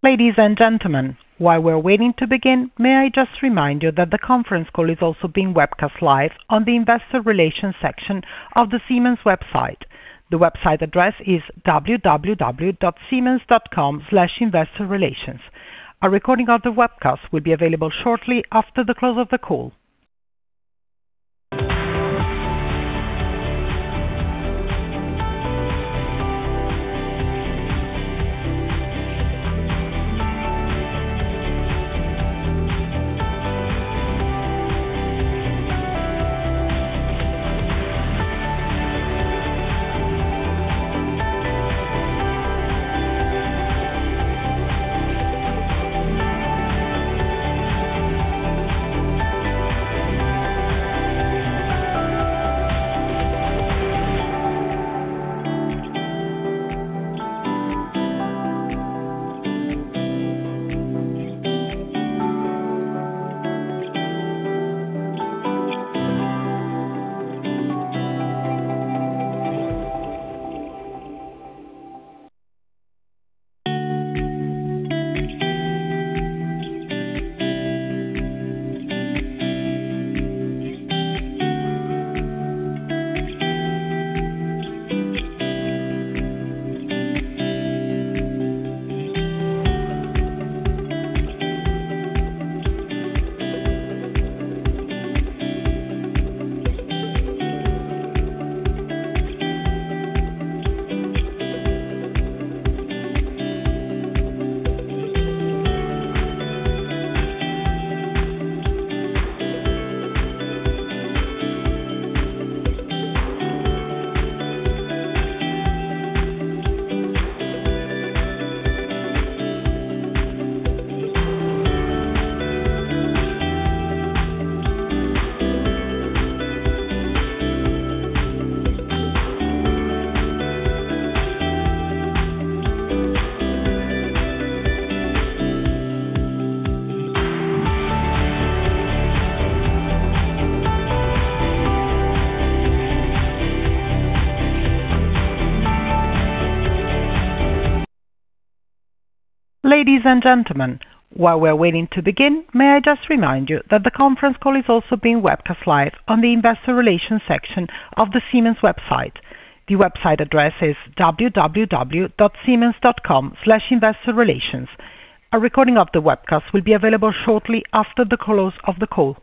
Ladies and gentlemen, while we're waiting to begin, may I just remind you that the conference call is also being webcast live on the Investor Relations section of the Siemens website. The website address is www.siemens.com/investorrelations. A recording of the webcast will be available shortly after the close of the call.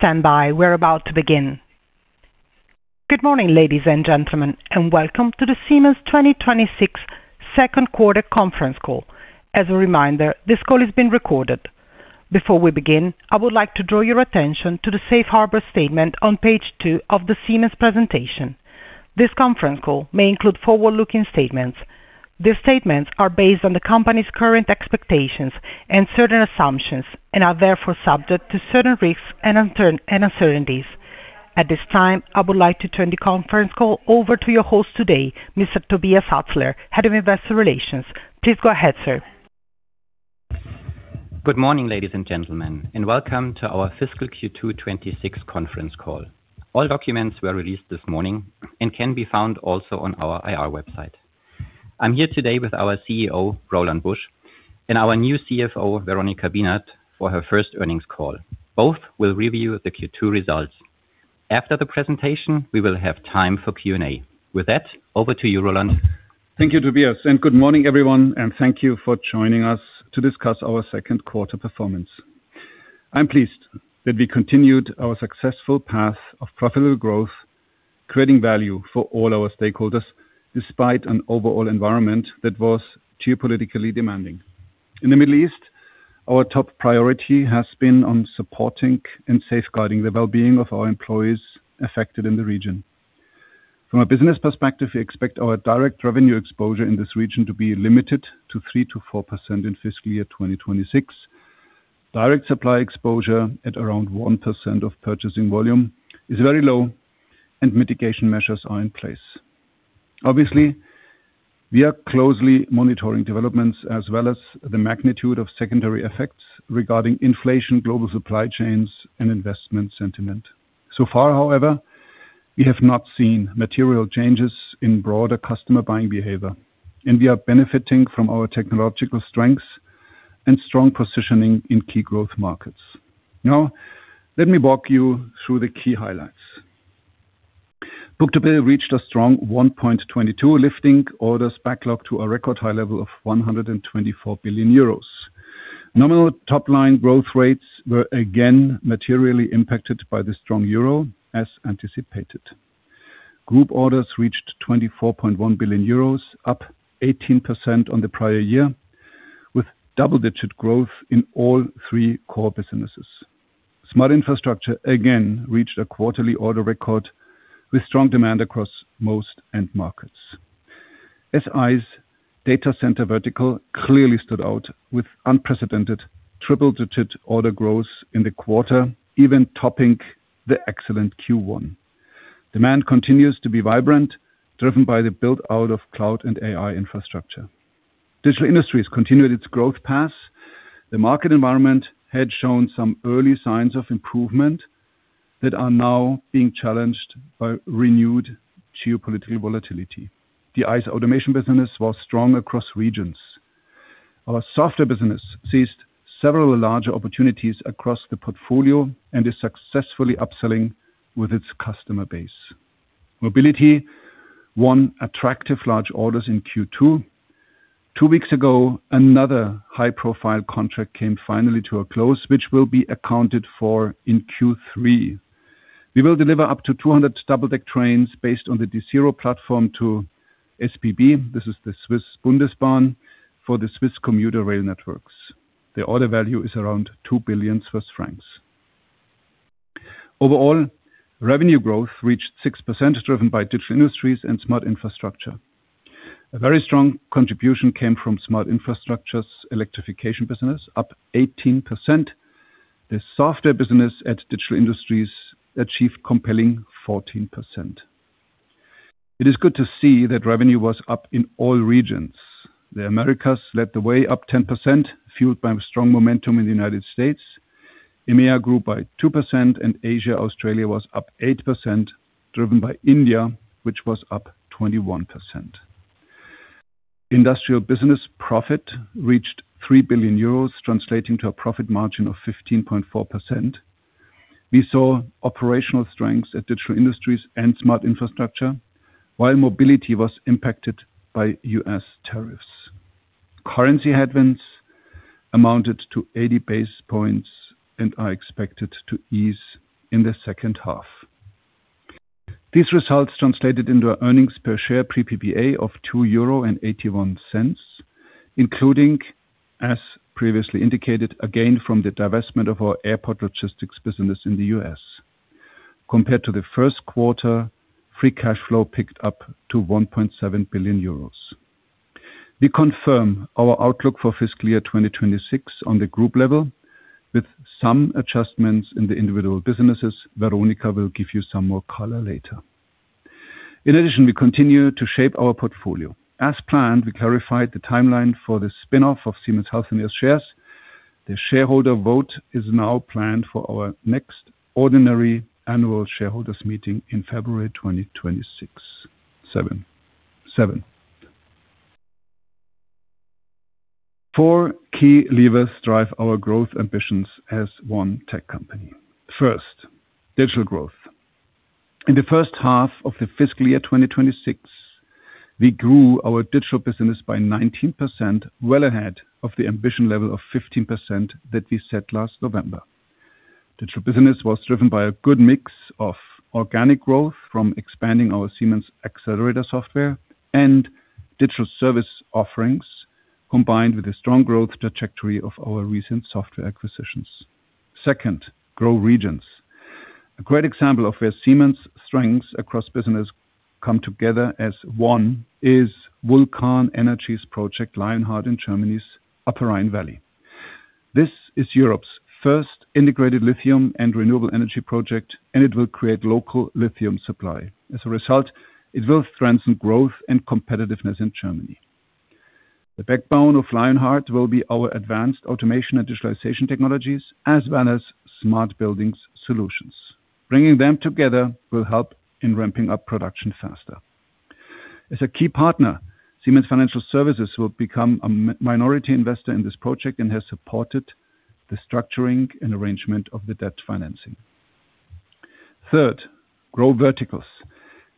Good morning, ladies and gentlemen, and welcome to the Siemens 2026 second quarter conference call. As a reminder, this call is being recorded. Before we begin, I would like to draw your attention to the Safe Harbor statement on page two of the Siemens presentation. This conference call may include forward-looking statements. These statements are based on the company's current expectations and certain assumptions and are therefore subject to certain risks and uncertainties. At this time, I would like to turn the conference call over to your host today, Mr. Tobias Atzler, Head of Investor Relations. Please go ahead, sir. Good morning, ladies and gentlemen, and welcome to our fiscal Q2 2026 conference call. All documents were released this morning and can be found also on our IR website. I'm here today with our CEO, Roland Busch, and our new CFO, Veronika Bienert, for her first earnings call. Both will review the Q2 results. After the presentation, we will have time for Q&A. With that, over to you, Roland. Thank you, Tobias, good morning, everyone, thank you for joining us to discuss our second quarter performance. I'm pleased that we continued our successful path of profitable growth, creating value for all our stakeholders, despite an overall environment that was geopolitically demanding. In the Middle East, our top priority has been on supporting and safeguarding the well-being of our employees affected in the region. From a business perspective, we expect our direct revenue exposure in this region to be limited to 3%-4% in fiscal year 2026. Direct supply exposure at around 1% of purchasing volume is very low, mitigation measures are in place. Obviously, we are closely monitoring developments as well as the magnitude of secondary effects regarding inflation, global supply chains, and investment sentiment. Far, however, we have not seen material changes in broader customer buying behavior, and we are benefiting from our technological strengths and strong positioning in key growth markets. Let me walk you through the key highlights. Book-to-bill reached a strong 1.22, lifting orders backlog to a record high level of 124 billion euros. Nominal top-line growth rates were again materially impacted by the strong euro, as anticipated. Group orders reached 24.1 billion euros, up 18% on the prior year, with double-digit growth in all three core businesses. Smart Infrastructure again reached a quarterly order record with strong demand across most end markets. SI's data center vertical clearly stood out with unprecedented triple-digit order growth in the quarter, even topping the excellent Q1. Demand continues to be vibrant, driven by the build-out of cloud and AI infrastructure. Digital Industries continued its growth path. The market environment had shown some early signs of improvement that are now being challenged by renewed geopolitical volatility. DI's automation business was strong across regions. Our software business seized several larger opportunities across the portfolio and is successfully upselling with its customer base. Mobility won attractive large orders in Q2. Two weeks ago, another high-profile contract came finally to a close, which will be accounted for in Q3. We will deliver up to 200 double-deck trains based on the Desiro platform to SBB, this is the Swiss Bundesbahn, for the Swiss commuter rail networks. The order value is around 2 billion Swiss francs. Overall, revenue growth reached 6%, driven by Digital Industries and Smart Infrastructure. A very strong contribution came from Smart Infrastructure's electrification business, up 18%. The software business at Digital Industries achieved compelling 14%. It is good to see that revenue was up in all regions. The Americas led the way up 10%, fueled by strong momentum in the U.S. EMEA grew by 2%, Asia, Australia was up 8%, driven by India, which was up 21%. Industrial business profit reached 3 billion euros, translating to a profit margin of 15.4%. We saw operational strengths at Digital Industries and Smart Infrastructure, while Mobility was impacted by U.S. tariffs. Currency headwinds amounted to 80 basis points and are expected to ease in the second half. These results translated into earnings per share pre-PPA of 2.81 euro, including, as previously indicated, a gain from the divestment of our airport logistics business in the U.S. Compared to the first quarter, free cash flow picked up to 1.7 billion euros. We confirm our outlook for fiscal year 2026 on the group level, with some adjustments in the individual businesses. Veronika will give you some more color later. In addition, we continue to shape our portfolio. As planned, we clarified the timeline for the spin-off of Siemens Healthineers shares. The shareholder vote is now planned for our next ordinary annual shareholders meeting in February 2027. Four key levers drive our growth ambitions as one tech company. First, digital growth. In the first half of the fiscal year 2026, we grew our digital business by 19%, well ahead of the ambition level of 15% that we set last November. Digital business was driven by a good mix of organic growth from expanding our Siemens Xcelerator software and digital service offerings, combined with a strong growth trajectory of our recent software acquisitions. Second, grow regions. A great example of where Siemens strengths across business come together as one is Vulcan Energy's Project Lionheart in Germany's Upper Rhine Valley. This is Europe's first integrated lithium and renewable energy project, and it will create local lithium supply. As a result, it will strengthen growth and competitiveness in Germany. The backbone of Lionheart will be our advanced automation and digitalization technologies as well as smart buildings solutions. Bringing them together will help in ramping up production faster. As a key partner, Siemens Financial Services will become a minority investor in this project and has supported the structuring and arrangement of the debt financing. Third, grow verticals.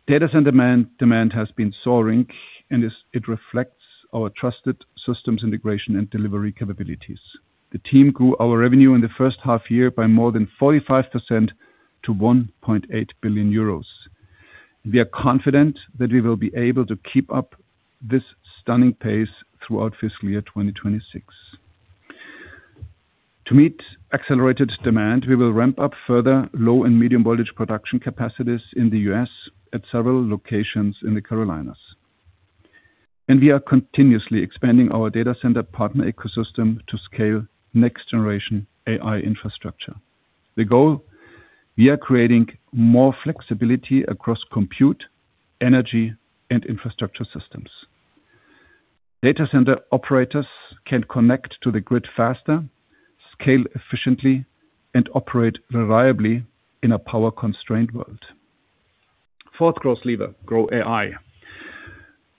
Data center demand has been soaring, and it reflects our trusted systems integration and delivery capabilities. The team grew our revenue in the first half year by more than 45% to 1.8 billion euros. We are confident that we will be able to keep up this stunning pace throughout fiscal year 2026. To meet accelerated demand, we will ramp up further low and medium voltage production capacities in the U.S. at several locations in the Carolinas. We are continuously expanding our data center partner ecosystem to scale next generation AI infrastructure. The goal, we are creating more flexibility across compute, energy, and infrastructure systems. Data center operators can connect to the grid faster, scale efficiently, and operate reliably in a power-constrained world. Fourth growth lever, grow AI.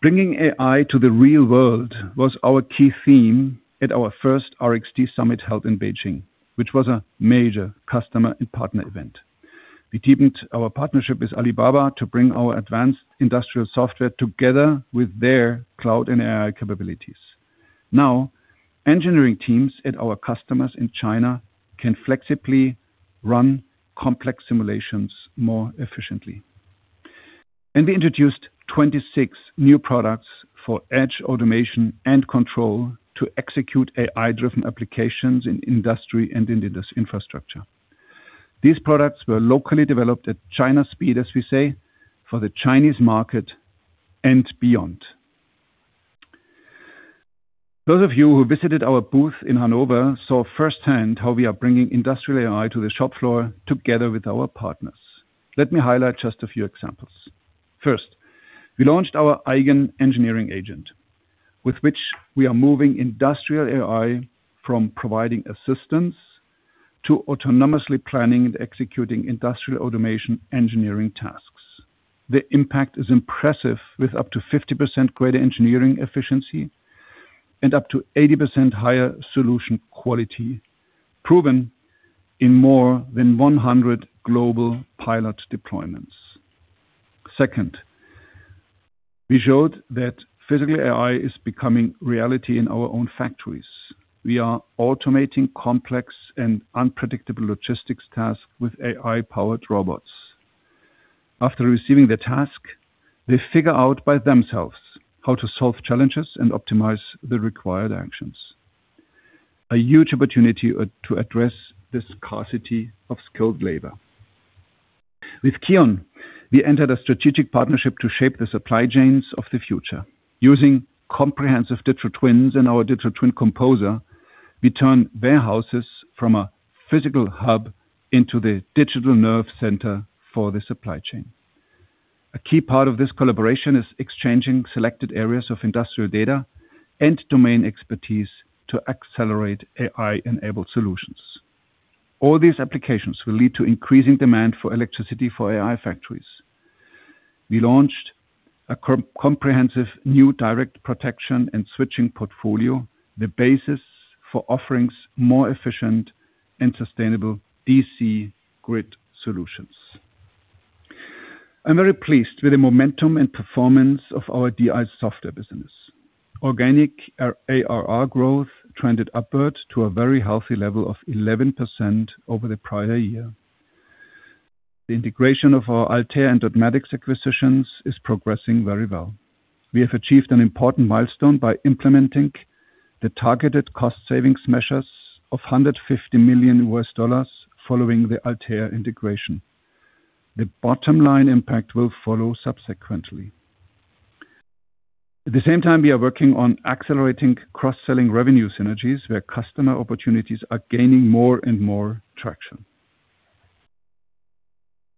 Bringing AI to the real world was our key theme at our first RXD Summit held in Beijing, which was a major customer and partner event. We deepened our partnership with Alibaba to bring our advanced industrial software together with their cloud and AI capabilities. Now, engineering teams at our customers in China can flexibly run complex simulations more efficiently. We introduced 26 new products for edge automation and control to execute AI-driven applications in industry and in this infrastructure. These products were locally developed at China speed, as we say, for the Chinese market and beyond. Those of you who visited our booth in Hanover saw firsthand how we are bringing industrial AI to the shop floor together with our partners. Let me highlight just a few examples. First, we launched our Eigen Engineering Agent, with which we are moving industrial AI from providing assistance to autonomously planning and executing industrial automation engineering tasks. The impact is impressive, with up to 50% greater engineering efficiency and up to 80% higher solution quality, proven in more than 100 global pilot deployments. Second, we showed that physical AI is becoming reality in our own factories. We are automating complex and unpredictable logistics tasks with AI-powered robots. After receiving the task, they figure out by themselves how to solve challenges and optimize the required actions. A huge opportunity to address this scarcity of skilled labor. With KION, we entered a strategic partnership to shape the supply chains of the future. Using comprehensive digital twins and our Digital Twin Composer, we turn warehouses from a physical hub into the digital nerve center for the supply chain. A key part of this collaboration is exchanging selected areas of industrial data and domain expertise to accelerate AI-enabled solutions. All these applications will lead to increasing demand for electricity for AI factories. We launched a comprehensive new direct protection and switching portfolio, the basis for offerings more efficient and sustainable DC grid solutions. I'm very pleased with the momentum and performance of our DI software business. Organic ARR growth trended upward to a very healthy level of 11% over the prior year. The integration of our Altair and Dotmatics acquisitions is progressing very well. We have achieved an important milestone by implementing the targeted cost savings measures of $150 million following the Altair integration. The bottom line impact will follow subsequently. At the same time, we are working on accelerating cross-selling revenue synergies where customer opportunities are gaining more and more traction.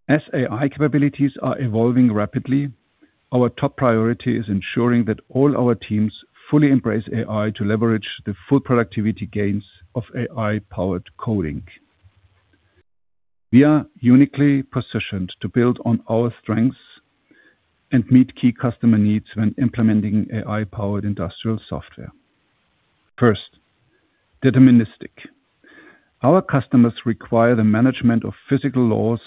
As AI capabilities are evolving rapidly, our top priority is ensuring that all our teams fully embrace AI to leverage the full productivity gains of AI-powered coding. We are uniquely positioned to build on our strengths and meet key customer needs when implementing AI-powered industrial software. First, deterministic. Our customers require the management of physical laws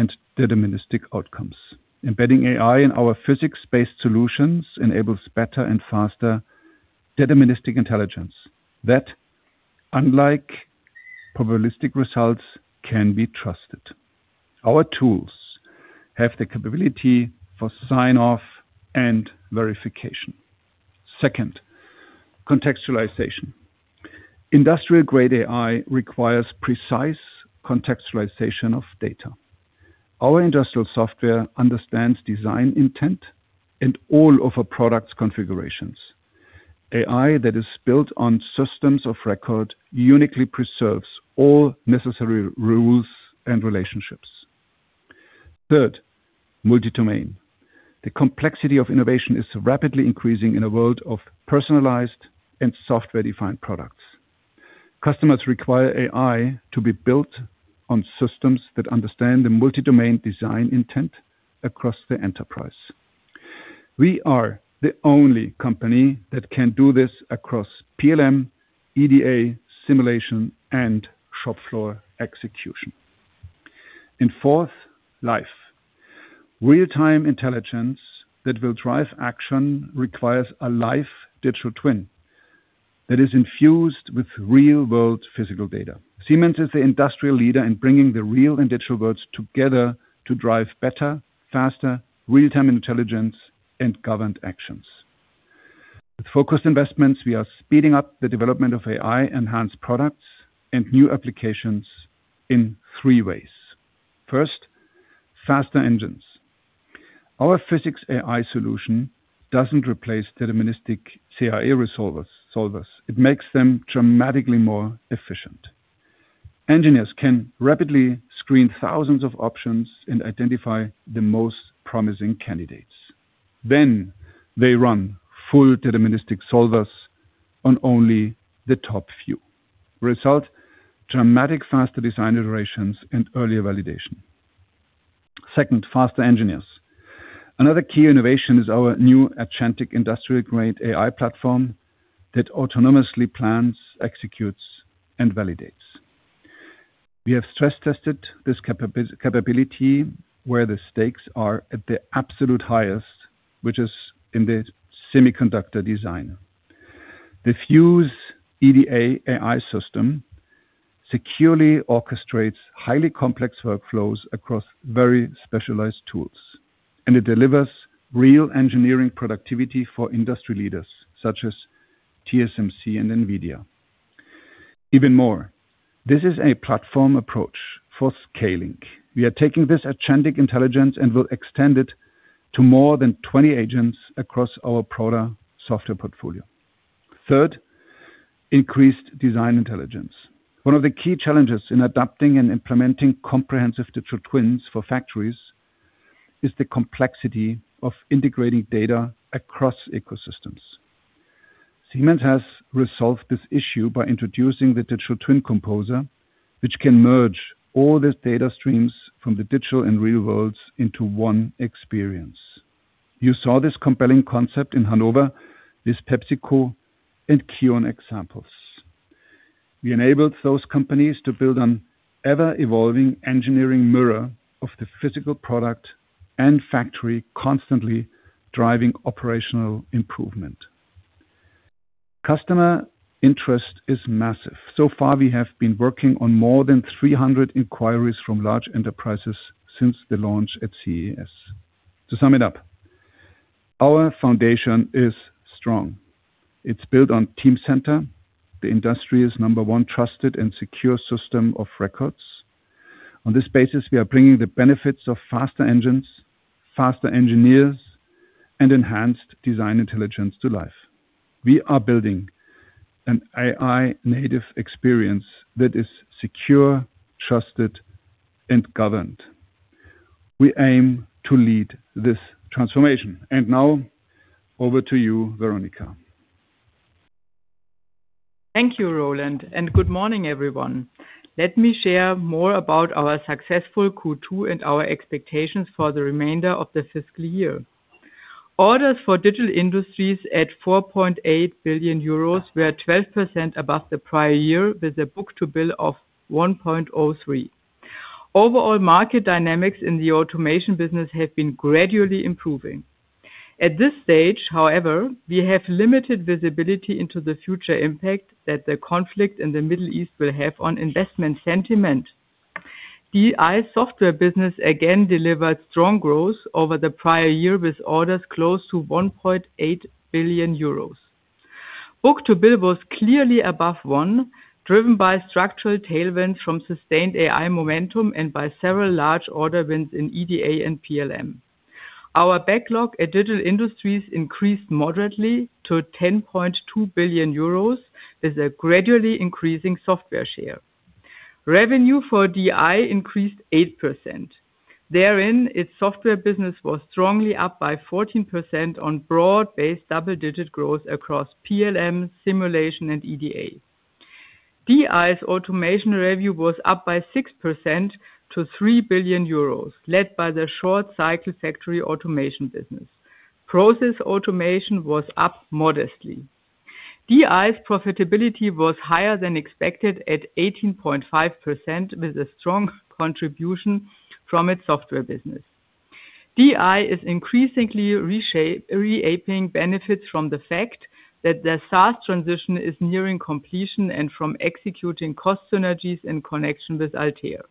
and deterministic outcomes. Embedding AI in our physics-based solutions enables better and faster deterministic intelligence that, unlike probabilistic results, can be trusted. Our tools have the capability for sign-off and verification. Second, contextualization. Industrial-grade AI requires precise contextualization of data. Our industrial software understands design intent and all of our products configurations. AI that is built on systems of record uniquely preserves all necessary rules and relationships. Third, multi-domain. The complexity of innovation is rapidly increasing in a world of personalized and software-defined products. Customers require AI to be built on systems that understand the multi-domain design intent across the enterprise. We are the only company that can do this across PLM, EDA, simulation, and shop floor execution. Fourth, life. Real-time intelligence that will drive action requires a live digital twin that is infused with real-world physical data. Siemens is the industrial leader in bringing the real and digital worlds together to drive better, faster, real-time intelligence and governed actions. With focused investments, we are speeding up the development of AI-enhanced products and new applications in three ways. First, faster engines. Our physics AI solution doesn't replace deterministic CAE solvers. It makes them dramatically more efficient. Engineers can rapidly screen thousands of options and identify the most promising candidates. They run full deterministic solvers on only the top few. Result. dramatic faster design iterations and earlier validation. Second, faster engineers. Another key innovation is our new agentic industrial-grade AI platform that autonomously plans, executes, and validates. We have stress-tested this capability where the stakes are at the absolute highest, which is in the semiconductor design. The Fuse EDA AI system securely orchestrates highly complex workflows across very specialized tools, and it delivers real engineering productivity for industry leaders such as TSMC and NVIDIA. Even more, this is a platform approach for scaling. We are taking this agentic intelligence and will extend it to more than 20 agents across our product software portfolio. Third, increased design intelligence. One of the key challenges in adapting and implementing comprehensive digital twins for factories is the complexity of integrating data across ecosystems. Siemens has resolved this issue by introducing the Digital Twin Composer, which can merge all these data streams from the digital and real worlds into one experience. You saw this compelling concept in Hanover with PepsiCo and KION examples. We enabled those companies to build an ever-evolving engineering mirror of the physical product and factory, constantly driving operational improvement. Customer interest is massive. Far, we have been working on more than 300 inquiries from large enterprises since the launch at CES. To sum it up, our foundation is strong. It's built on Teamcenter, the industry's number 1 trusted and secure system of records. On this basis, we are bringing the benefits of faster engines, faster engineers, and enhanced design intelligence to life. We are building an AI-native experience that is secure, trusted, and governed. We aim to lead this transformation. Now over to you, Veronika. Thank you, Roland, and good morning, everyone. Let me share more about our successful Q2 and our expectations for the remainder of the fiscal year. Orders for Digital Industries at 4.8 billion euros were 12% above the prior year, with a book-to-bill of 1.03. Overall market dynamics in the automation business have been gradually improving. At this stage, however, we have limited visibility into the future impact that the conflict in the Middle East will have on investment sentiment. DI software business again delivered strong growth over the prior year, with orders close to 1.8 billion euros. Book-to-bill was clearly above one, driven by structural tailwinds from sustained AI momentum and by several large order wins in EDA and PLM. Our backlog at Digital Industries increased moderately to 10.2 billion euros, with a gradually increasing software share. Revenue for DI increased 8%. Therein, its software business was strongly up by 14% on broad-based double-digit growth across PLM, simulation, and EDA. DI's automation revenue was up by 6% to 3 billion euros, led by the short-cycle factory automation business. Process automation was up modestly. DI's profitability was higher than expected at 18.5%, with a strong contribution from its software business. DI is increasingly reaping benefits from the fact that the SaaS transition is nearing completion and from executing cost synergies in connection with Altair.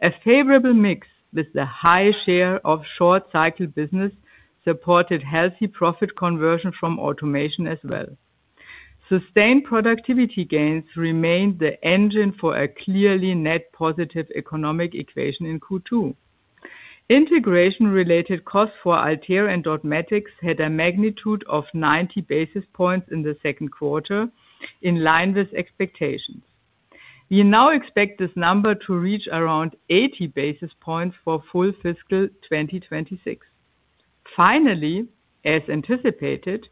A favorable mix with the high share of short-cycle business supported healthy profit conversion from automation as well. Sustained productivity gains remained the engine for a clearly net positive economic equation in Q2. Integration-related costs for Altair and Dotmatics had a magnitude of 90 basis points in the second quarter, in line with expectations. We now expect this number to reach around 80 basis points for full fiscal 2026. As anticipated,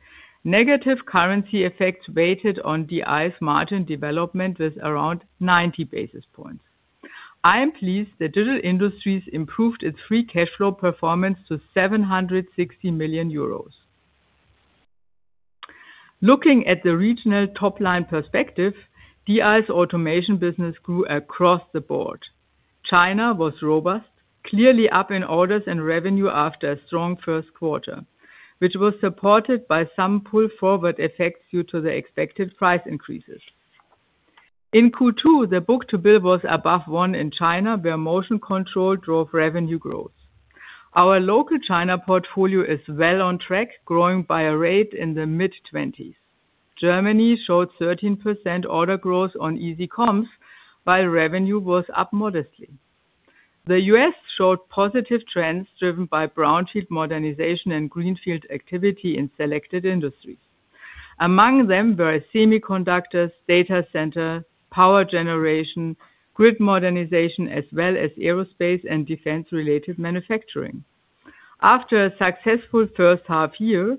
negative currency effects weighed on DI's margin development with around 90 basis points. I am pleased that Digital Industries improved its free cash flow performance to 760 million euros. Looking at the regional top-line perspective, DI's automation business grew across the board. China was robust, clearly up in orders and revenue after a strong first quarter, which was supported by some pull-forward effects due to the expected price increases. In Q2, the book-to-bill was above one in China, where motion control drove revenue growth. Our local China portfolio is well on track, growing by a rate in the mid-twenties. Germany showed 13% order growth on easy comps, while revenue was up modestly. The U.S. showed positive trends driven by brownfield modernization and greenfield activity in selected industries. Among them were semiconductors, data center, power generation, grid modernization, as well as Aerospace and defense-related manufacturing. After a successful first half year,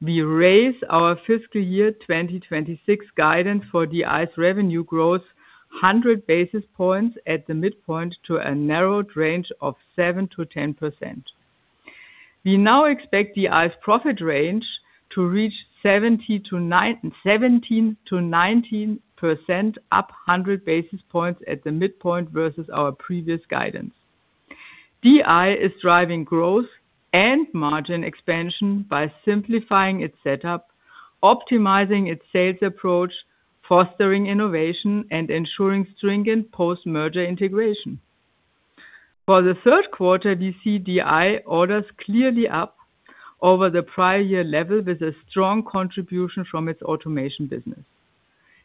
we raise our fiscal year 2026 guidance for DI's revenue growth 100 basis points at the midpoint to a narrowed range of 7%-10%. We now expect DI's profit range to reach 17%-19% up 100 basis points at the midpoint versus our previous guidance. DI is driving growth and margin expansion by simplifying its setup, optimizing its sales approach, fostering innovation, and ensuring stringent post-merger integration. For the third quarter, we see DI orders clearly up over the prior year level with a strong contribution from its automation business.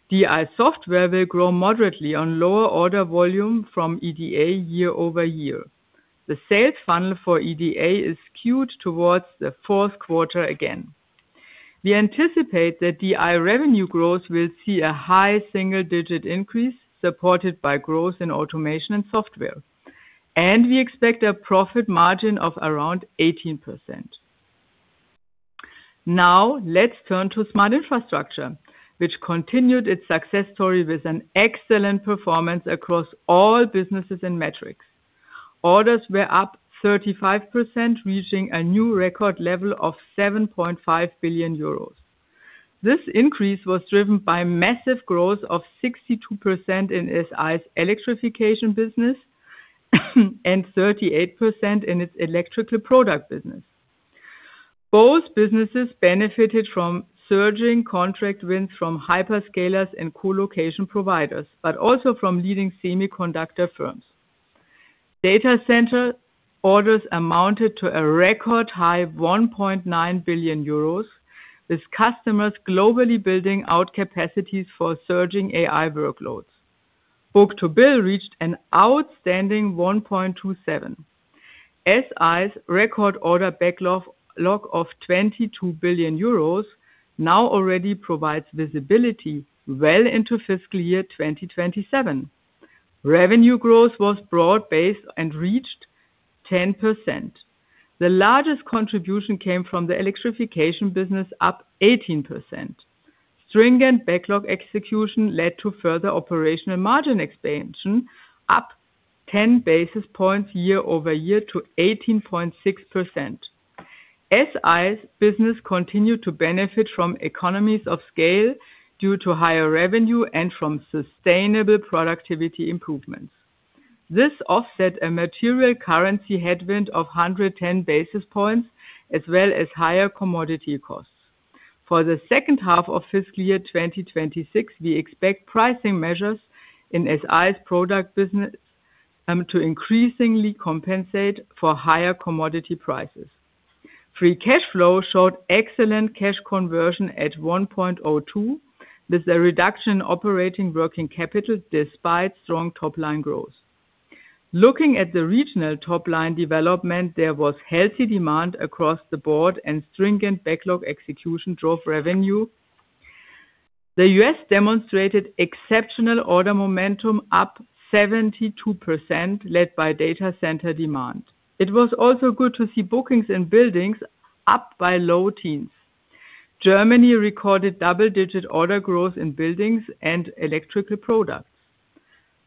DI software will grow moderately on lower order volume from EDA year-over-year. The sales funnel for EDA is skewed towards the fourth quarter again. We anticipate that DI revenue growth will see a high single-digit increase supported by growth in automation and software. We expect a profit margin of around 18%. Now, let's turn to Smart Infrastructure, which continued its success story with an excellent performance across all businesses and metrics. Orders were up 35%, reaching a new record level of 7.5 billion euros. This increase was driven by massive growth of 62% in SI's electrification business and 38% in its electrical product business. Both businesses benefited from surging contract wins from hyperscalers and colocation providers, but also from leading semiconductor firms. Data center orders amounted to a record high 1.9 billion euros, with customers globally building out capacities for surging AI workloads. Book-to-bill reached an outstanding 1.27. SI's record order backlog of 22 billion euros now already provides visibility well into FY 2027. Revenue growth was broad-based and reached 10%. The largest contribution came from the electrification business, up 18%. Stringent backlog execution led to further operational margin expansion, up 10 basis points year-over-year to 18.6%. SI's business continued to benefit from economies of scale due to higher revenue and from sustainable productivity improvements. This offset a material currency headwind of 110 basis points, as well as higher commodity costs. For the second half of FY 2026, we expect pricing measures in SI's product business to increasingly compensate for higher commodity prices. Free cash flow showed excellent cash conversion at 1.02, with a reduction in operating working capital despite strong top-line growth. Looking at the regional top-line development, there was healthy demand across the board, and stringent backlog execution drove revenue. The U.S. demonstrated exceptional order momentum up 72%, led by data center demand. It was also good to see bookings and buildings up by low teens. Germany recorded double-digit order growth in buildings and electrical products.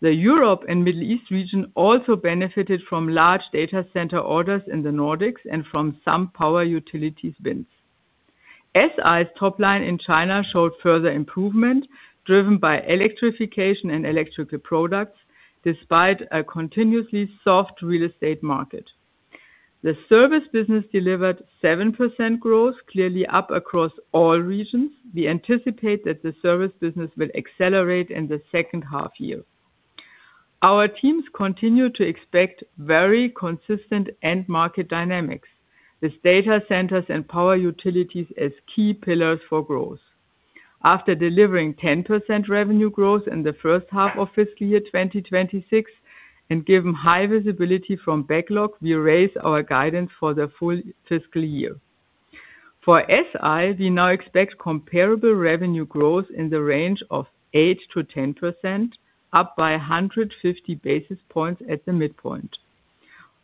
The Europe and Middle East region also benefited from large data center orders in the Nordics and from some power utilities wins. SI's top line in China showed further improvement, driven by electrification and electrical products, despite a continuously soft real estate market. The service business delivered 7% growth, clearly up across all regions. We anticipate that the service business will accelerate in the second half year. Our teams continue to expect very consistent end market dynamics, with data centers and power utilities as key pillars for growth. After delivering 10% revenue growth in the first half of fiscal year 2026 and given high visibility from backlog, we raise our guidance for the full fiscal year. For SI, we now expect comparable revenue growth in the range of 8%-10%, up by 150 basis points at the midpoint.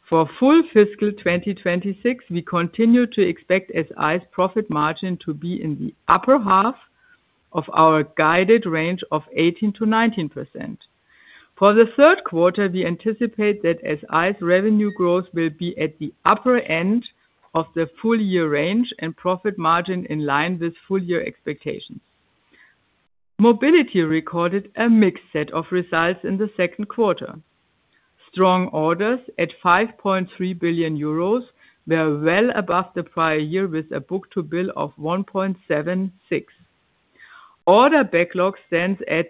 For full fiscal 2026, we continue to expect SI's profit margin to be in the upper half of our guided range of 18%-19%. For the third quarter, we anticipate that SI's revenue growth will be at the upper end of the full-year range and profit margin in line with full-year expectations. Mobility recorded a mixed set of results in the second quarter. Strong orders at 5.3 billion euros were well above the prior year, with a book-to-bill of 1.76. Order backlog stands at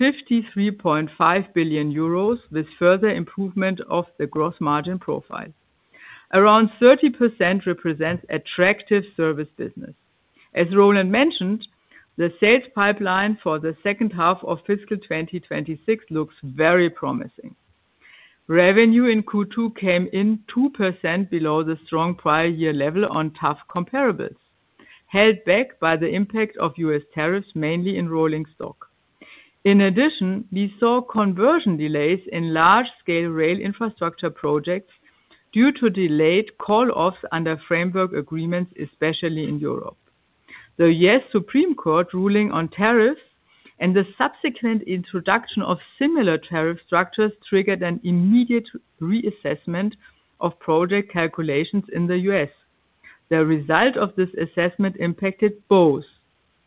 53.5 billion euros, with further improvement of the gross margin profile. Around 30% represents attractive service business. As Roland mentioned, the sales pipeline for the second half of fiscal 2026 looks very promising. Revenue in Q2 came in 2% below the strong prior year level on tough comparables, held back by the impact of U.S. tariffs, mainly in rolling stock. In addition, we saw conversion delays in large-scale rail infrastructure projects due to delayed call-offs under framework agreements, especially in Europe. The U.S. Supreme Court ruling on tariffs and the subsequent introduction of similar tariff structures triggered an immediate reassessment of project calculations in the U.S. The result of this assessment impacted both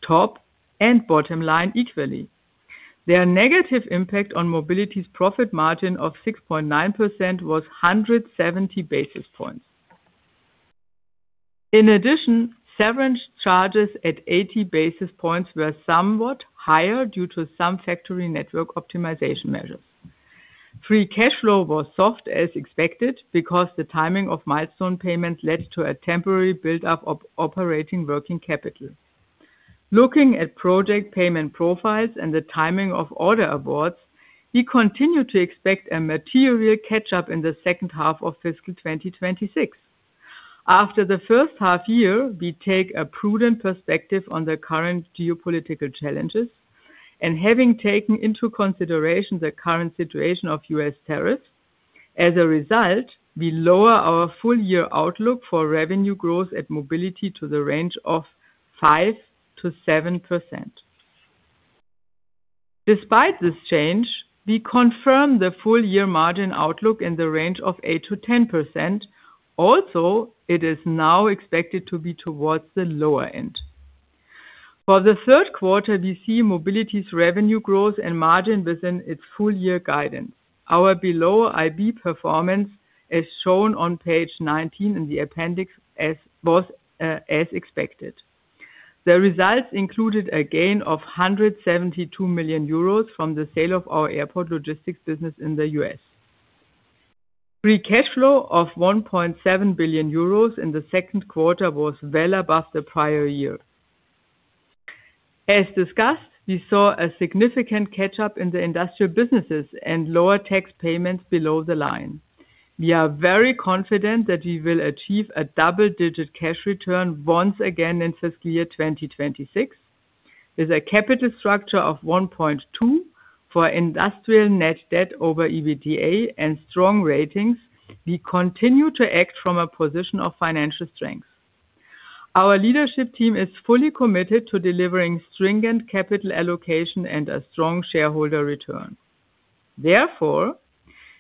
top and bottom line equally. Their negative impact on Mobility's profit margin of 6.9% was 170 basis points. In addition, severance charges at 80 basis points were somewhat higher due to some factory network optimization measures. Free cash flow was soft as expected because the timing of milestone payments led to a temporary buildup of operating working capital. Looking at project payment profiles and the timing of order awards, we continue to expect a material catch-up in the second half of fiscal 2026. After the first half year, we take a prudent perspective on the current geopolitical challenges and having taken into consideration the current situation of U.S. tariffs. As a result, we lower our full-year outlook for revenue growth at Mobility to the range of 5%-7%. Despite this change, we confirm the full-year margin outlook in the range of 8%-10%. Also, it is now expected to be towards the lower end. For the third quarter, we see Mobility's revenue growth and margin within its full-year guidance. Our below IB performance is shown on page 19 in the appendix as was as expected. The results included a gain of 172 million euros from the sale of our airport logistics business in the U.S. Free cash flow of 1.7 billion euros in the second quarter was well above the prior year. As discussed, we saw a significant catch-up in the industrial businesses and lower tax payments below the line. We are very confident that we will achieve a double-digit cash return once again in fiscal year 2026. With a capital structure of 1.2 for industrial net debt over EBITDA and strong ratings, we continue to act from a position of financial strength. Our leadership team is fully committed to delivering stringent capital allocation and a strong shareholder return.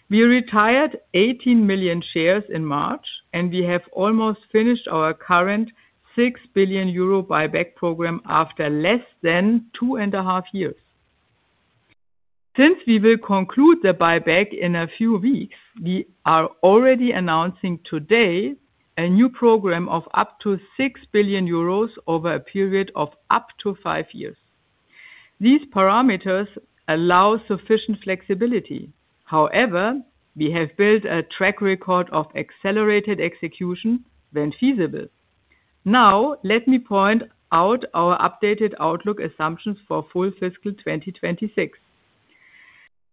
We retired 18 million shares in March, and we have almost finished our current 6 billion euro buyback program after less than 2.5 years. We will conclude the buyback in a few weeks, we are already announcing today a new program of up to 6 billion euros over a period of up to five years. These parameters allow sufficient flexibility. We have built a track record of accelerated execution when feasible. Let me point out our updated outlook assumptions for full fiscal 2026.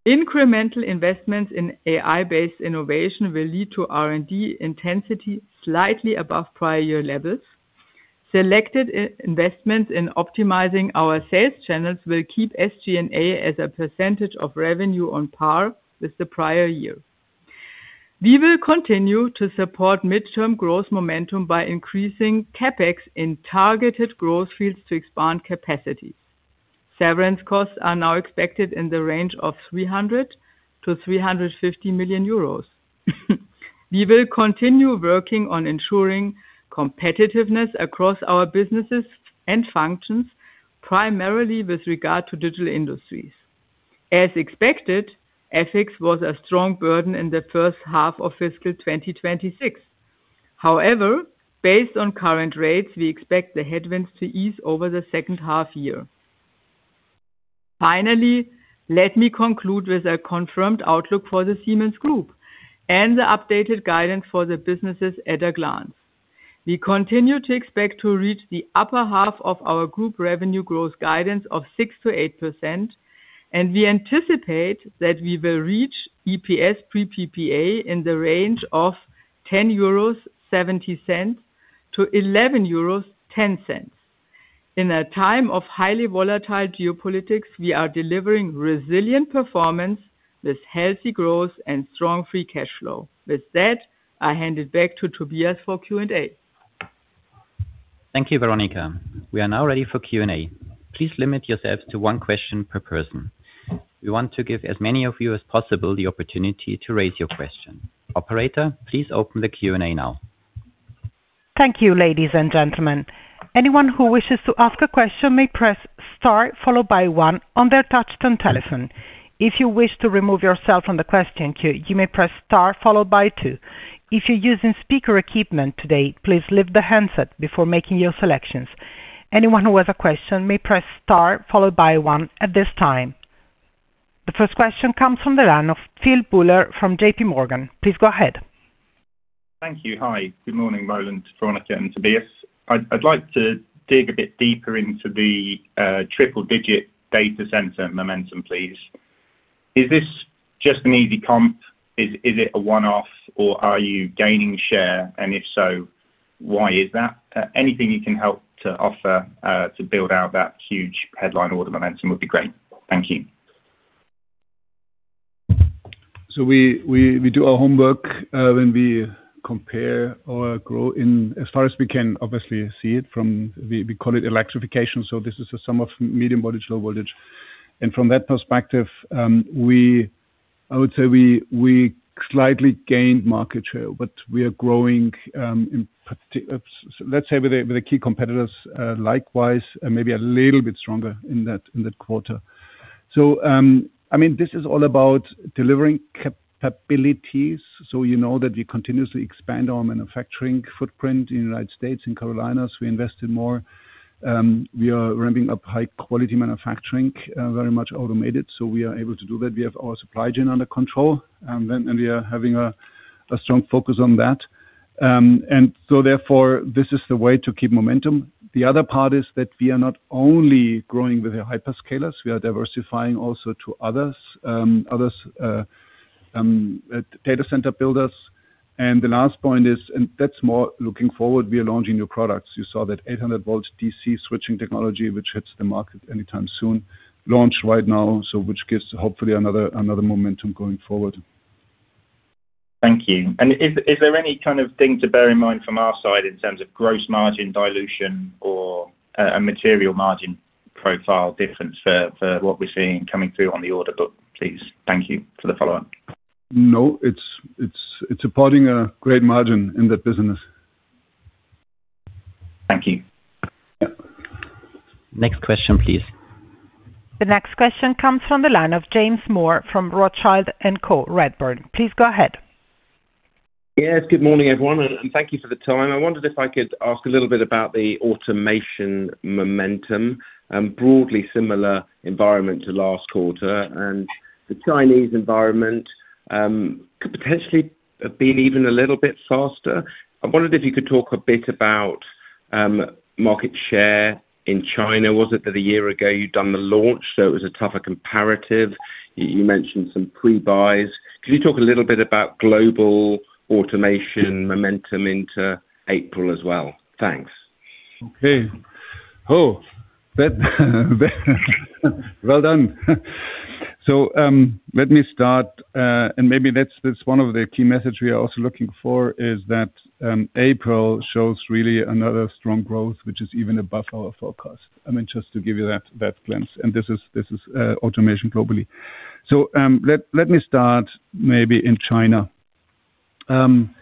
Incremental investments in AI-based innovation will lead to R&D intensity slightly above prior year levels. Selected investments in optimizing our sales channels will keep SG&A as a percentage of revenue on par with the prior year. We will continue to support midterm growth momentum by increasing CapEx in targeted growth fields to expand capacity. Severance costs are now expected in the range of 300 million-350 million euros. We will continue working on ensuring competitiveness across our businesses and functions, primarily with regard to Digital Industries. As expected, FX was a strong burden in the first half of fiscal 2026. However, based on current rates, we expect the headwinds to ease over the second half year. Finally, let me conclude with a confirmed outlook for the Siemens Group and the updated guidance for the businesses at a glance. We continue to expect to reach the upper half of our group revenue growth guidance of 6%-8%, and we anticipate that we will reach EPS pre PPA in the range of 10.70-11.10 euros. In a time of highly volatile geopolitics, we are delivering resilient performance. This healthy growth and strong free cash flow. With that, I hand it back to Tobias for Q&A. Thank you, Veronika. We are now ready for Q&A. Please limit yourselves to one question per person. We want to give as many of you as possible the opportunity to raise your question. Operator, please open the Q&A now. Thank you, ladies and gentlemen. Anyone who wishes to ask a question may press star followed by one on their touchtone telephone. If you wish to remove yourself from the question queue, you may press star followed by two. If you uses speaker equipment today, please leave the handset before making your selection. Anyone who has a question may press star followed by one at this time. The first question comes from the line of Phil Buller from JPMorgan. Please go ahead. Thank you. Hi, good morning, Roland, Veronika, and Tobias. I'd like to dig a bit deeper into the triple-digit data center momentum, please. Is this just an easy comp? Is it a one-off or are you gaining share? And if so, why is that? Anything you can help to offer to build out that huge headline order momentum would be great. Thank you. We do our homework when we compare our growth in as far as we can obviously see it from we call it electrification. This is a sum of medium voltage, low voltage. From that perspective, I would say we slightly gained market share, but we are growing let's say with the key competitors likewise, maybe a little bit stronger in that quarter. I mean, this is all about delivering capabilities, so you know that we continuously expand our manufacturing footprint in the U.S. and Carolinas. We invested more. We are ramping up high-quality manufacturing very much automated, so we are able to do that. We have our supply chain under control, and we are having a strong focus on that. Therefore, this is the way to keep momentum. The other part is that we are not only growing with the hyperscalers, we are diversifying also to others, data center builders. The last point is, and that's more looking forward, we are launching new products. You saw that 800 V DC switching technology, which hits the market anytime soon, launch right now, which gives hopefully another momentum going forward. Thank you. Is there any kind of thing to bear in mind from our side in terms of gross margin dilution or a material margin profile difference for what we're seeing coming through on the order book, please? Thank you for the follow-up. No, it's supporting a great margin in that business. Thank you. Next question, please. The next question comes from the line of James Moore from Rothschild & Co Redburn. Please go ahead. Yes, good morning, everyone, and thank you for the time. I wondered if I could ask a little bit about the automation momentum, broadly similar environment to last quarter and the Chinese environment could potentially have been even a little bit faster. I wondered if you could talk a bit about market share in China. Was it that a year ago you'd done the launch, so it was a tougher comparative? You mentioned some pre-buys. Could you talk a little bit about global automation momentum into April as well? Thanks. Okay. Oh, that. Well done. Let me start. Maybe that's one of the key messages we are also looking for, is that April shows really another strong growth, which is even above our forecast. I mean, just to give you that glimpse. This is automation globally. Let me start maybe in China. In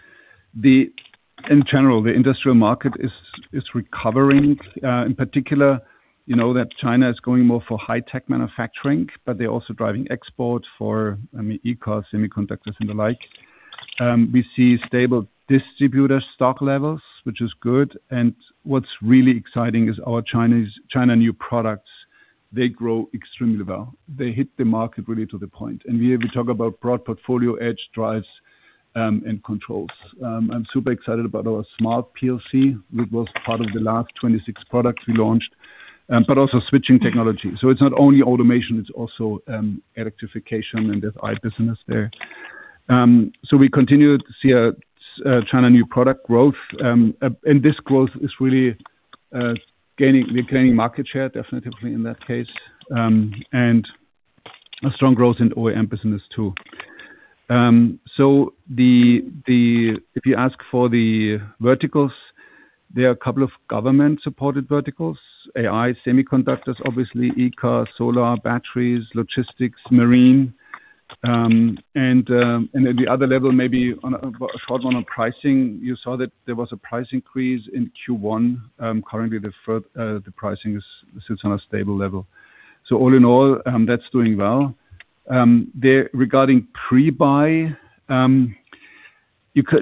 general, the industrial market is recovering. In particular, you know that China is going more for high-tech manufacturing, but they're also driving export for, I mean, e-cars, semiconductors, and the like. We see stable distributor stock levels, which is good. What's really exciting is our China new products, they grow extremely well. They hit the market really to the point. We talk about broad portfolio edge drives and controls. I'm super excited about our smart PLC, which was part of the last 26 products we launched, but also switching technology. It's not only automation, it's also electrification and that DI business there. We continue to see a China new product growth. This growth is really gaining market share definitely in that case, and a strong growth in OEM business too. If you ask for the verticals, there are a couple of government-supported verticals. AI, semiconductors, obviously e-car, solar, batteries, logistics, marine. At the other level, maybe on a short one on pricing, you saw that there was a price increase in Q1. Currently, the pricing sits on a stable level. All in all, that's doing well. Regarding pre-buy,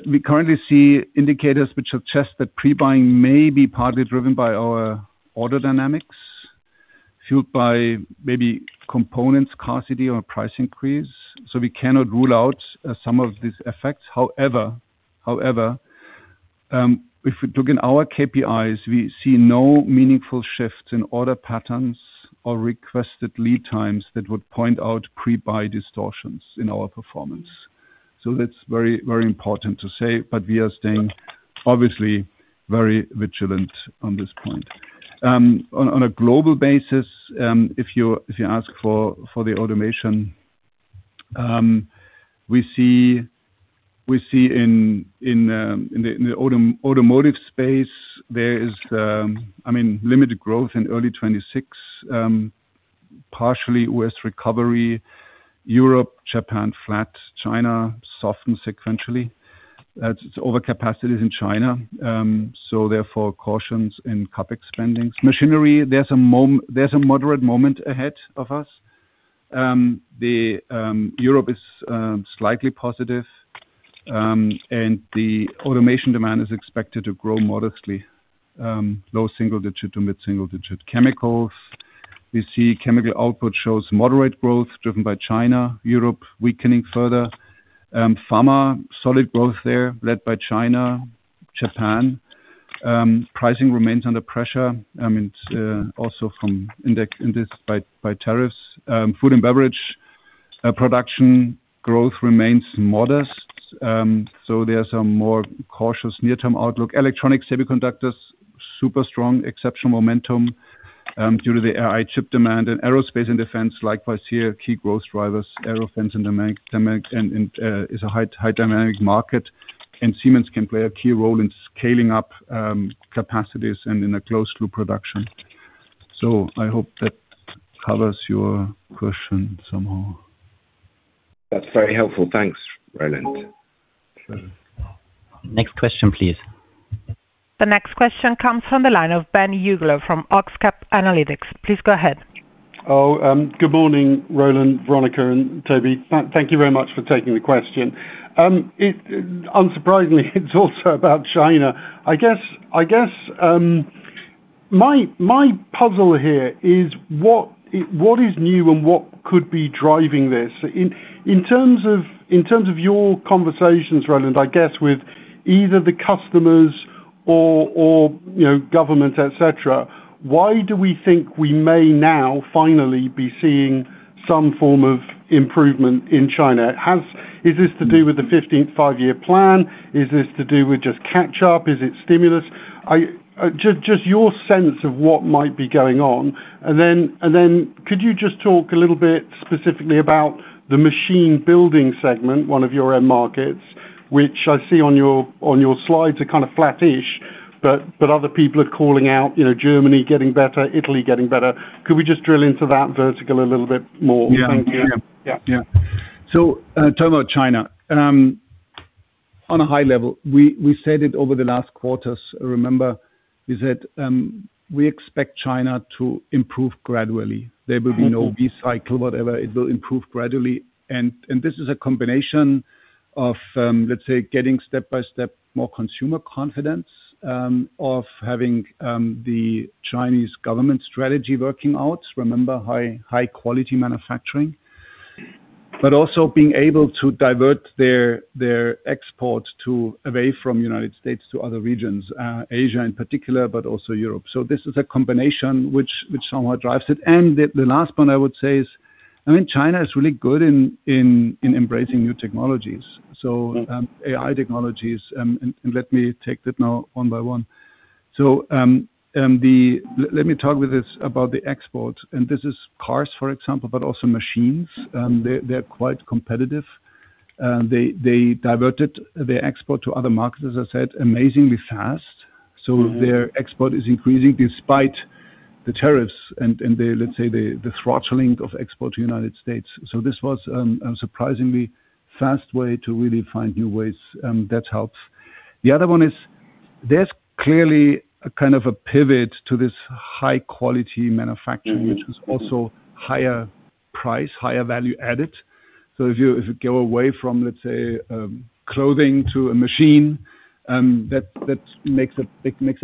We currently see indicators which suggest that pre-buying may be partly driven by our order dynamics, fueled by maybe components scarcity or price increase. We cannot rule out some of these effects. However, if we look in our KPIs, we see no meaningful shift in order patterns or requested lead times that would point out pre-buy distortions in our performance. That's very important to say, but we are staying obviously very vigilant on this point. On a global basis, if you ask for the automation, we see in the automotive space, there is, I mean, limited growth in early 2026, partially with recovery. Europe, Japan, flat. China, soft and sequentially. It's over capacities in China, therefore cautions in CapEx spendings. Machinery, there's a moderate moment ahead of us. The Europe is slightly positive, and the automation demand is expected to grow modestly, low single-digit to mid-single-digit. Chemicals. We see chemical output shows moderate growth driven by China, Europe weakening further. Pharma, solid growth there led by China, Japan. Pricing remains under pressure. I mean, it's also from indexed by tariffs. Food and beverage, production growth remains modest, there are some more cautious near-term outlook. Electronics, semiconductors, super strong, exceptional momentum, due to the AI chip demand. Aerospace and defense, likewise here, key growth drivers. Aerospace and defense and dynamic is a high dynamic market, and Siemens can play a key role in scaling up capacities and in a close loop production. I hope that covers your question somehow. That's very helpful. Thanks, Roland. Sure. Next question, please. The next question comes from the line of Ben Uglow from OxCap Analytics. Please go ahead. Good morning, Roland, Veronika, and Tobias. Thank you very much for taking the question. It unsurprisingly, it's also about China. I guess, I guess, my puzzle here is what is new and what could be driving this? In terms of your conversations, Roland, I guess with either the customers or, you know, government, et cetera, why do we think we may now finally be seeing some form of improvement in China? Is this to do with the 15th five-year plan? Is this to do with just catch up? Is it stimulus? Just your sense of what might be going on. Could you just talk a little bit specifically about the machine building segment, one of your end markets, which I see on your, on your slides are kind of flat-ish, but other people are calling out, you know, Germany getting better, Italy getting better. Could we just drill into that vertical a little bit more? Thank you. Yeah. Yeah. Yeah. Talking about China, on a high level, we said it over the last quarters, remember, is that we expect China to improve gradually. There will be no V cycle, whatever. It will improve gradually. This is a combination of, let's say, getting step-by-step more consumer confidence, of having the Chinese government strategy working out. Remember high quality manufacturing. Also being able to divert their exports away from United States to other regions, Asia in particular, but also Europe. This is a combination which somewhat drives it. The last point I would say is, I mean, China is really good in embracing new technologies. AI technologies, let me take that now one by one. Let me talk with this about the exports, and this is cars, for example, but also machines. They're quite competitive. They diverted their export to other markets, as I said, amazingly fast. Their export is increasing despite the tariffs and the, let's say, the throttling of export to United States. This was a surprisingly fast way to really find new ways that helps. The other one is there's clearly a kind of a pivot to this high quality manufacturing, which is also higher price, higher value added. If you go away from, let's say, clothing to a machine, that makes a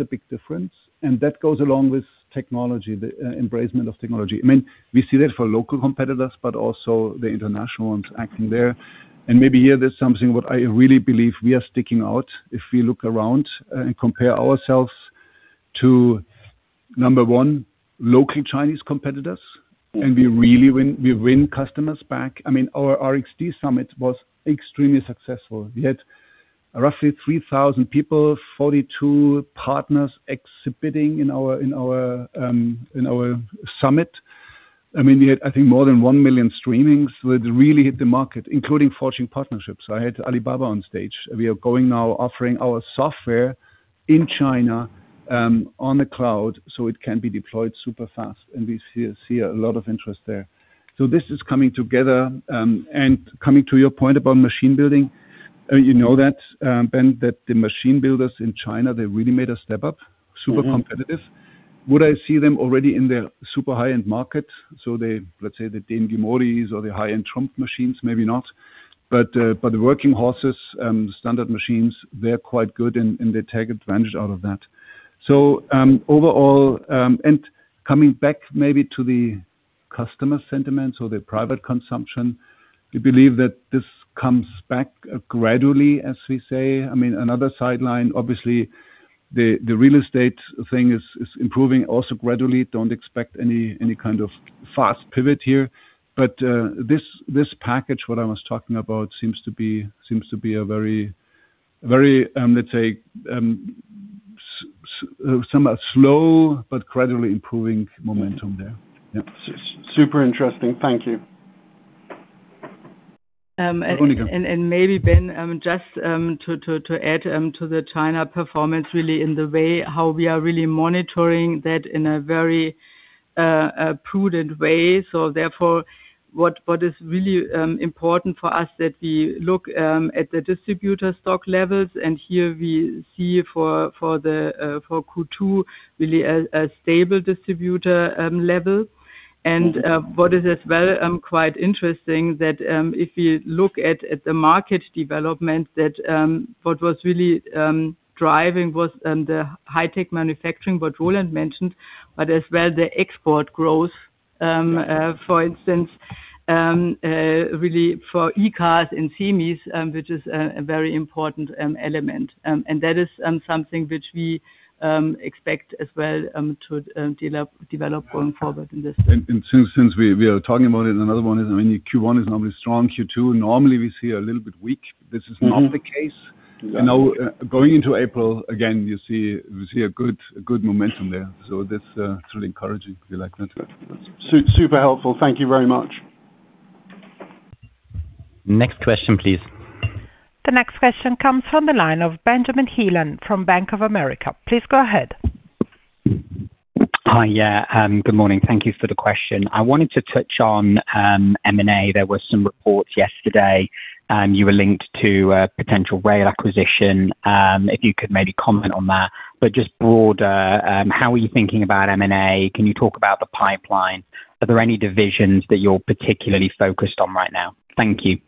big difference. That goes along with technology, the embracement of technology. I mean, we see that for local competitors, but also the international ones acting there. Maybe here there's something what I really believe we are sticking out if we look around and compare ourselves to, number one, local Chinese competitors, we win customers back. I mean, our RXD Summit was extremely successful. We had roughly 3,000 people, 42 partners exhibiting in our summit. I mean, we had, I think, more than 1 million streamings. We really hit the market, including forging partnerships. I had Alibaba on stage. We are going now offering our software in China on the cloud, so it can be deployed super fast. We see a lot of interest there. This is coming together. Coming to your point about machine building, you know that, Ben, that the machine builders in China, they really made a step up. Super competitive. Would I see them already in their super high-end market? They, let's say, the DMG Mori or the high-end TRUMPF machines, maybe not. The working horses, standard machines, they're quite good and they take advantage out of that. Overall, and coming back maybe to the customer sentiments or the private consumption, we believe that this comes back gradually, as we say. I mean, another sideline, obviously, the real estate thing is improving also gradually. Don't expect any kind of fast pivot here. This package, what I was talking about, seems to be a very, let's say, somewhat slow but gradually improving momentum there. Yeah. Super interesting. Thank you. Veronika. Maybe Ben, just to add to the China performance really in the way how we are really monitoring that in a very prudent way. What is really important for us that we look at the distributor stock levels, and here we see for Q2 really a stable distributor level. What is as well quite interesting that if you look at the market development that what was really driving was the high tech manufacturing, what Roland mentioned, but as well the export growth, for instance, really for e-cars and semis, which is a very important element. That is something which we expect as well to develop going forward in this. Since we are talking about it, another one is, I mean, Q1 is normally strong. Q2 normally we see a little bit weak. This is not the case. Right. Now, going into April, again, you see, we see good momentum there. That's truly encouraging. We like that. Super helpful. Thank you very much. Next question, please. The next question comes from the line of Benjamin Heelan from Bank of America. Please go ahead. Hi. Yeah. Good morning. Thank you for the question. I wanted to touch on M&A. There were some reports yesterday, you were linked to a potential rail acquisition. If you could maybe comment on that. Just broader, how are you thinking about M&A? Can you talk about the pipeline? Are there any divisions that you're particularly focused on right now? Thank you.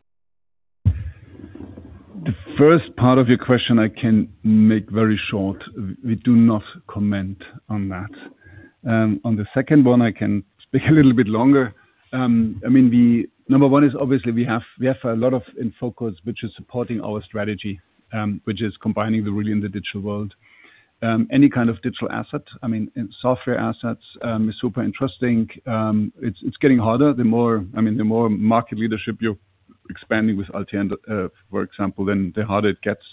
The first part of your question I can make very short. We do not comment on that. On the second one, I can speak a little bit longer. I mean, the number one is obviously we have a lot of in focus which is supporting our strategy, which is combining the really in the digital world. Any kind of digital asset, I mean, software assets, is super interesting. It's getting harder the more, I mean, the more market leadership you're expanding with Altair, for example, then the harder it gets.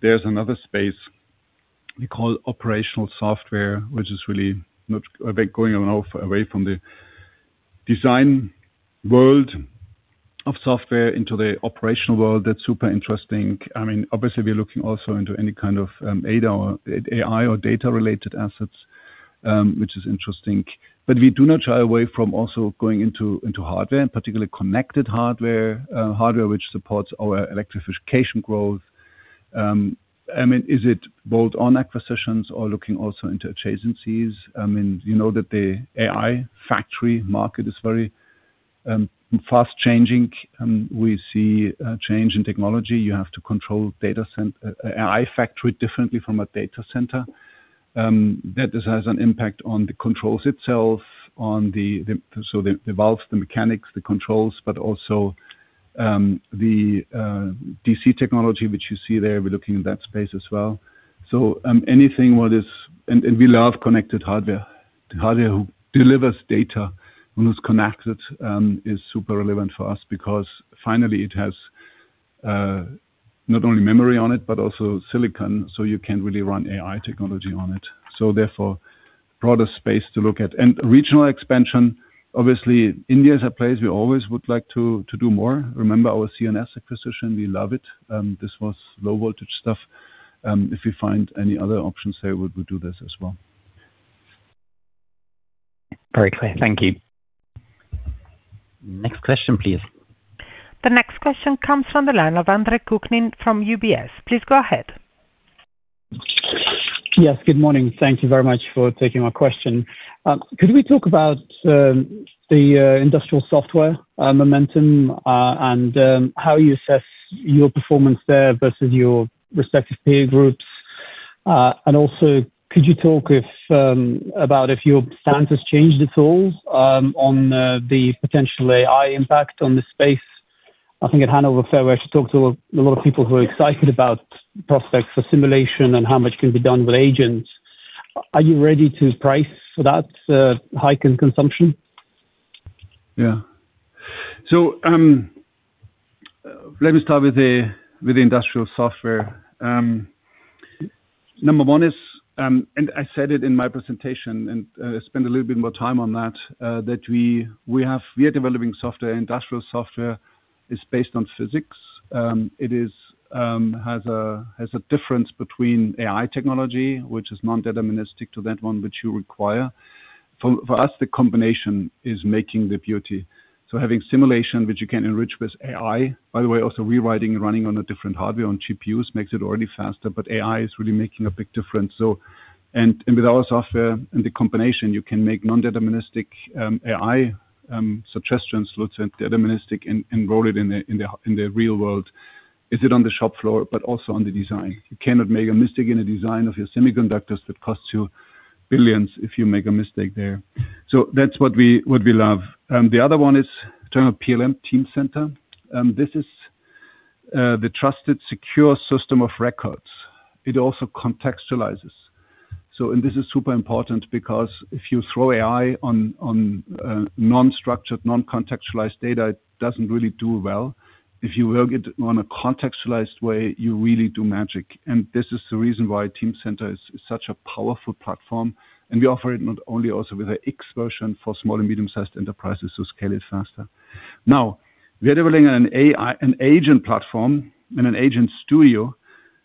There's another space we call operational software, which is really not a bit going off away from the design world of software into the operational world. That's super interesting. I mean, obviously, we're looking also into any kind of data or AI or data related assets, which is interesting. We do not shy away from also going into hardware, and particularly connected hardware which supports our electrification growth. I mean, is it both on acquisitions or looking also into adjacencies? I mean, you know that the AI factory market is very fast changing. We see a change in technology. You have to control AI factory differently from a data center. That just has an impact on the controls itself, so it evolves the mechanics, the controls, but also the DC technology, which you see there. We're looking in that space as well. We love connected hardware. Hardware who delivers data and is connected is super relevant for us because finally it has not only memory on it, but also silicon, so you can really run AI technology on it. Therefore, broader space to look at. Regional expansion, obviously, India is a place we always would like to do more. Remember our C&S acquisition, we love it. This was low voltage stuff. If we find any other options there, we do this as well. Very clear. Thank you. Next question, please. The next question comes from the line of Andre Kukhnin from UBS. Please go ahead. Yes, good morning. Thank you very much for taking my question. Could we talk about the industrial software momentum and how you assess your performance there versus your respective peer groups? Also, could you talk about if your stance has changed at all on the potential AI impact on the space? I think at Hannover Fair, we actually talked to a lot of people who are excited about prospects for simulation and how much can be done with agents. Are you ready to price for that hike in consumption? Let me start with the industrial software. Number one is, and I said it in my presentation and spend a little bit more time on that we are developing software. Industrial software is based on physics. It is, has a difference between AI technology, which is non-deterministic to that one which you require. For us, the combination is making the beauty. Having simulation, which you can enrich with AI, by the way, also rewriting and running on a different hardware on GPUs makes it already faster, but AI is really making a big difference. And with our software and the combination, you can make non-deterministic AI suggestions look deterministic and roll it in the real world. Is it on the shop floor, but also on the design. You cannot make a mistake in a design of your semiconductors that costs you billions if you make a mistake there. That's what we love. The other one is term PLM Teamcenter. This is the trusted, secure system of records. It also contextualizes. And this is super important because if you throw AI on non-structured, non-contextualized data, it doesn't really do well. If you work it on a contextualized way, you really do magic. This is the reason why Teamcenter is such a powerful platform. We offer it not only also with an X version for small and medium-sized enterprises to scale it faster. We are developing an agent platform and an agent studio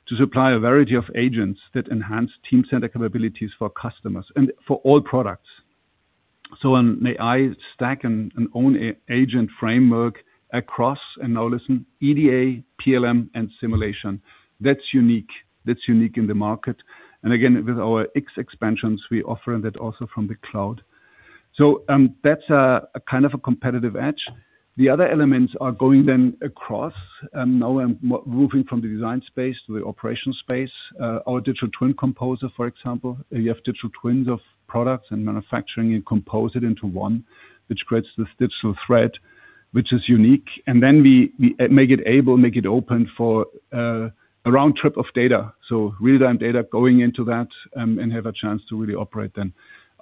to supply a variety of agents that enhance Teamcenter capabilities for customers and for all products. On the AI stack and own an agent framework across, and now listen, EDA, PLM and simulation. That's unique. That's unique in the market. Again, with our X expansions, we offer that also from the cloud. That's a kind of a competitive edge. The other elements are going across, now I'm moving from the design space to the operational space. Our Digital Twin Composer, for example. You have digital twins of products and manufacturing, you compose it into one, which creates this digital thread, which is unique. We make it able, make it open for a round trip of data. Real-time data going into that, and have a chance to really operate then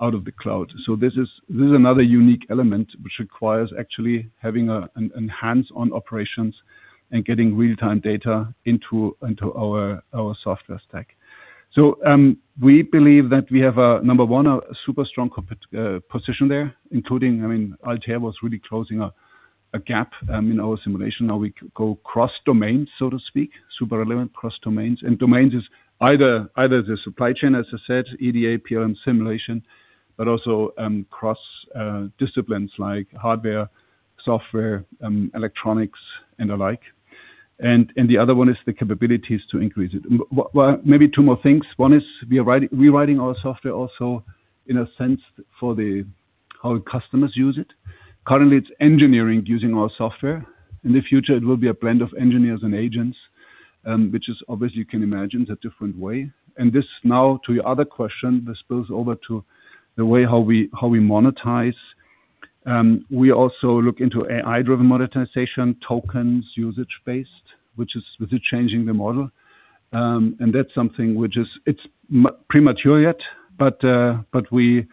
out of the cloud. This is another unique element which requires actually having a hands-on operations and getting real-time data into our software stack. We believe that we have a, number one, a super strong position there, including, I mean, Altair was really closing a gap in our simulation. Now we go cross-domain, so to speak, super relevant cross domains. Domains is either the supply chain, as I said, EDA, PLM simulation, but also cross disciplines like hardware, software, electronics and the like. The other one is the capabilities to increase it. Well, maybe two more things. One is we are rewriting our software also in a sense for the how customers use it. Currently, it's engineering using our software. In the future, it will be a blend of engineers and agents, which is obviously you can imagine is a different way. This now, to your other question, this spills over to the way how we, how we monetize. We also look into AI-driven monetization, tokens, usage-based, which is really changing the model. That's something which is, it's premature yet, but we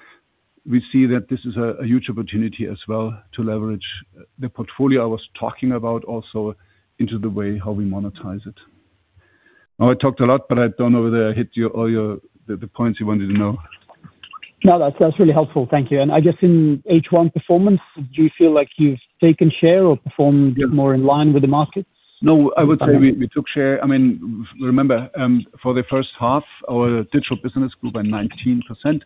see that this is a huge opportunity as well to leverage the portfolio I was talking about also into the way how we monetize it. I talked a lot, but I don't know whether I hit your, all your, the points you wanted to know. That's really helpful. Thank you. I guess in H1 performance, do you feel like you've taken share or performed more in line with the market? No, I would say we took share. I mean, remember, for the first half, our digital business grew by 19%. In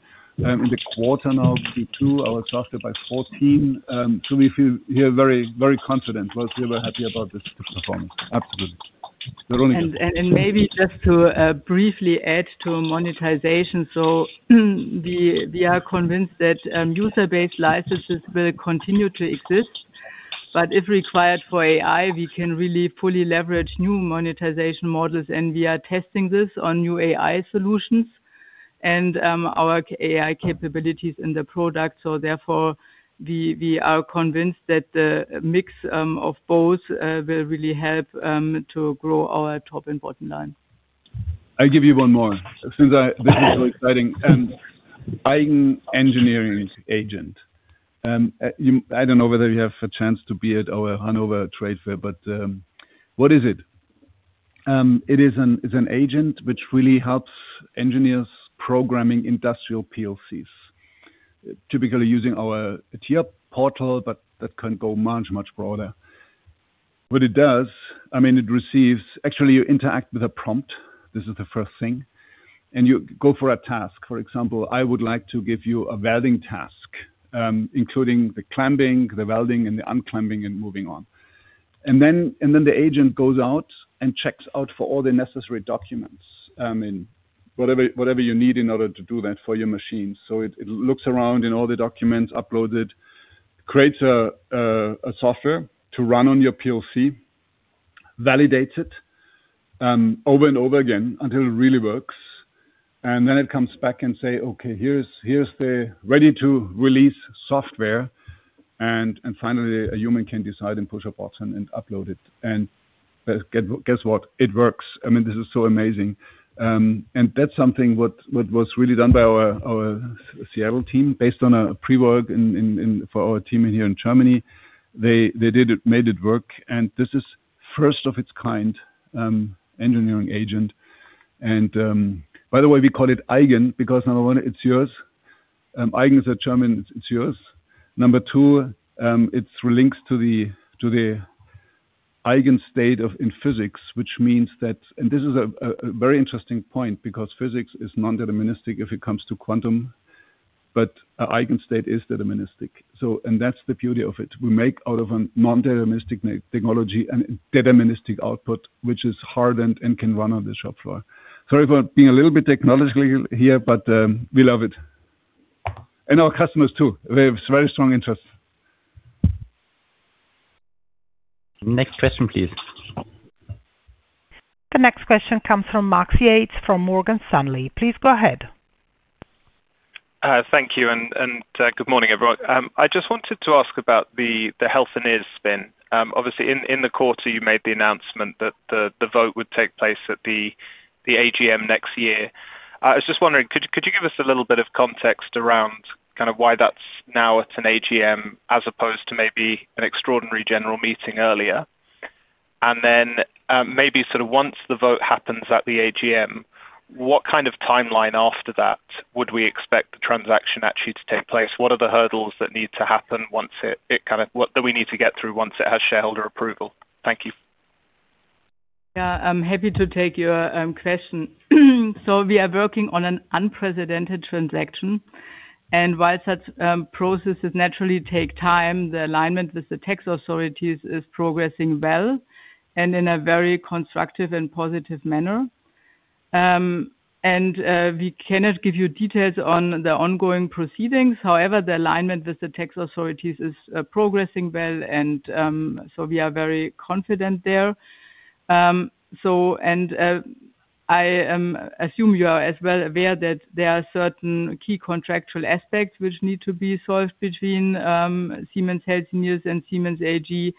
the quarter now, Q2, our software by 14. So we feel here very, very confident. Well, we were happy about this performance, absolutely. Veronika. Maybe just to briefly add to monetization. We are convinced that user-based licenses will continue to exist, but if required for AI, we can really fully leverage new monetization models, and we are testing this on new AI solutions and our AI capabilities in the product. Therefore, we are convinced that the mix of both will really help to grow our top and bottom line. I'll give you one more since this is so exciting. Eigen Engineering Agent. I don't know whether you have a chance to be at our Hanover trade fair, but what is it? It's an agent which really helps engineers programming industrial PLCs, typically using our TIA Portal, but that can go much, much broader. What it does, I mean, it receives Actually, you interact with a prompt. This is the first thing. You go for a task. For example, I would like to give you a welding task, including the clamping, the welding, and the unclamping and moving on. Then the agent goes out and checks out for all the necessary documents, in whatever you need in order to do that for your machine. It looks around in all the documents uploaded, creates a software to run on your PLC, validates it over and over again until it really works. It comes back and say, "Okay, here's the ready-to-release software." Finally, a human can decide and push a button and upload it. Guess what? It works. I mean, this is so amazing. That's something what was really done by our Seattle team based on a pre-work for our team in here in Germany. They did it, made it work, and this is first of its kind engineering agent. By the way, we call it Eigen because number one, it's yours. Eigen is a German, "It's yours." Number two, it links to the Eigen state in physics, which means that this is a very interesting point because physics is non-deterministic if it comes to quantum, but a Eigen state is deterministic. That's the beauty of it. We make out of a non-deterministic technology a deterministic output, which is hard and can run on the shop floor. Sorry for being a little bit technologically here, but we love it. Our customers too. They have very strong interest. Next question, please. The next question comes from Max Yates from Morgan Stanley. Please go ahead. Thank you and, good morning, everyone. I just wanted to ask about the Healthineers spin. Obviously in the quarter you made the announcement that the vote would take place at the AGM next year. I was just wondering, could you give us a little bit of context around kind of why that's now at an AGM as opposed to maybe an extraordinary general meeting earlier? Maybe sort of once the vote happens at the AGM, what kind of timeline after that would we expect the transaction actually to take place? What are the hurdles that need to happen once it what do we need to get through once it has shareholder approval? Thank you. Yeah. I'm happy to take your question. We are working on an unprecedented transaction, and while such processes naturally take time, the alignment with the tax authorities is progressing well and in a very constructive and positive manner. We cannot give you details on the ongoing proceedings. However, the alignment with the tax authorities is progressing well and we are very confident there. I assume you are as well aware that there are certain key contractual aspects which need to be solved between Siemens Healthineers and Siemens AG.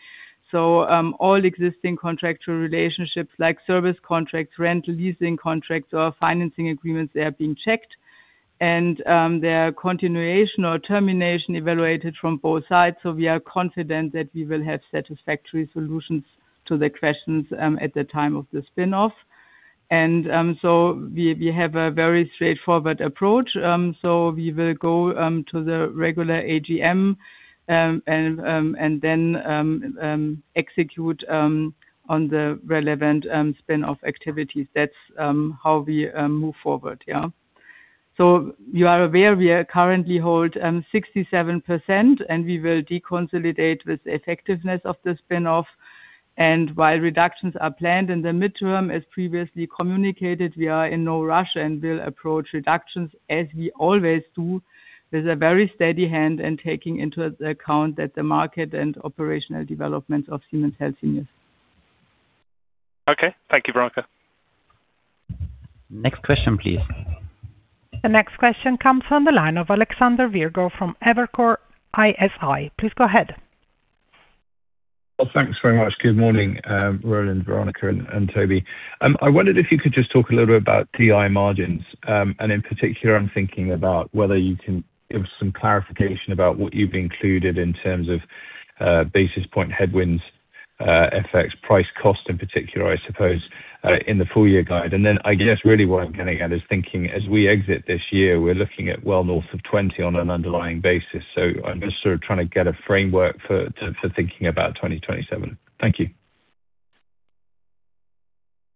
All existing contractual relationships like service contracts, rent leasing contracts, or financing agreements, they are being checked and their continuation or termination evaluated from both sides. We are confident that we will have satisfactory solutions to the questions at the time of the spin-off. We have a very straightforward approach. We will go to the regular AGM and then execute on the relevant spin-off activities. That's how we move forward. Yeah. You are aware we currently hold 67%, and we will deconsolidate with the effectiveness of the spin-off. While reductions are planned in the midterm, as previously communicated, we are in no rush and will approach reductions as we always do, with a very steady hand and taking into account that the market and operational development of Siemens Healthineers. Okay. Thank you, Veronika. Next question, please. The next question comes from the line of Alexander Virgo from Evercore ISI. Please go ahead. Well, thanks very much. Good morning, Roland, Veronika, and Toby. I wondered if you could just talk a little bit about DI margins. In particular, I'm thinking about whether you can give some clarification about what you've included in terms of basis point headwinds, FX price cost in particular, I suppose, in the full year guide. Then I guess really what I'm getting at is thinking as we exit this year, we're looking at well north of 20 on an underlying basis. I'm just sort of trying to get a framework for thinking about 2027. Thank you.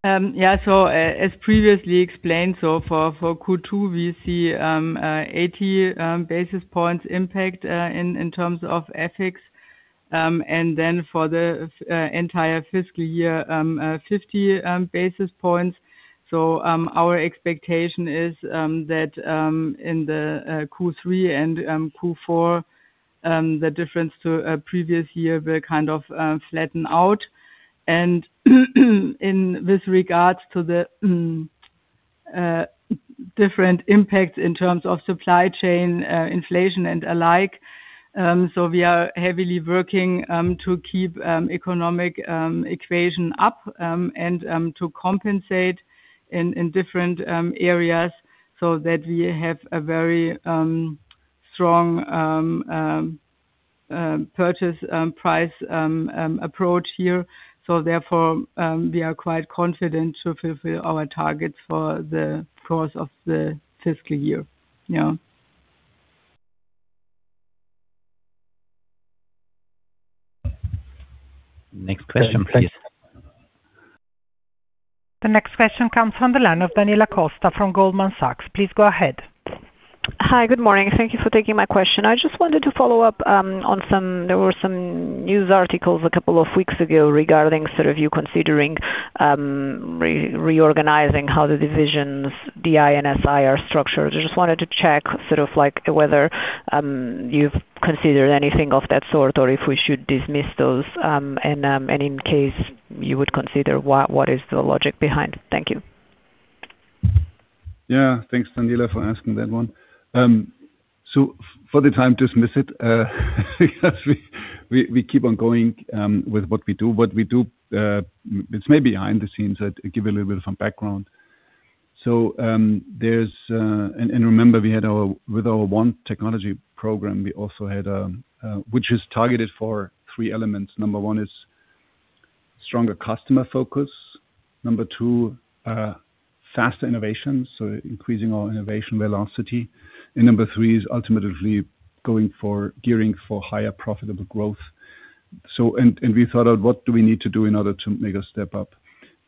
As previously explained, for Q2, we see 80 basis points impact in terms of EBIT. For the entire fiscal year, 50 basis points. Our expectation is that in Q3 and Q4, the difference to previous year will kind of flatten out. In this regards to the different impacts in terms of supply chain, inflation and alike, we are heavily working to keep economic equation up and to compensate in different areas so that we have a very strong purchase approach here. Therefore, we are quite confident to fulfill our targets for the course of the fiscal year. Next question, please. The next question comes from the line of Daniela Costa from Goldman Sachs. Please go ahead. Hi. Good morning. Thank you for taking my question. I just wanted to follow up. There were some news articles a couple of weeks ago regarding sort of you considering re-reorganizing how the divisions DI and SI are structured. I just wanted to check sort of like whether you've considered anything of that sort or if we should dismiss those. In case you would consider, what is the logic behind? Thank you. Thanks, Daniela, for asking that one. For the time, dismiss it, because we keep on going with what we do. What we do, it's maybe behind the scenes. I'd give a little bit of some background. There's And remember, we had with our One technology program, we also had which is targeted for three elements. Number one is stronger customer focus. Number two, faster innovation, increasing our innovation velocity. Number three is ultimately going for gearing for higher profitable growth. We thought of what do we need to do in order to make a step up?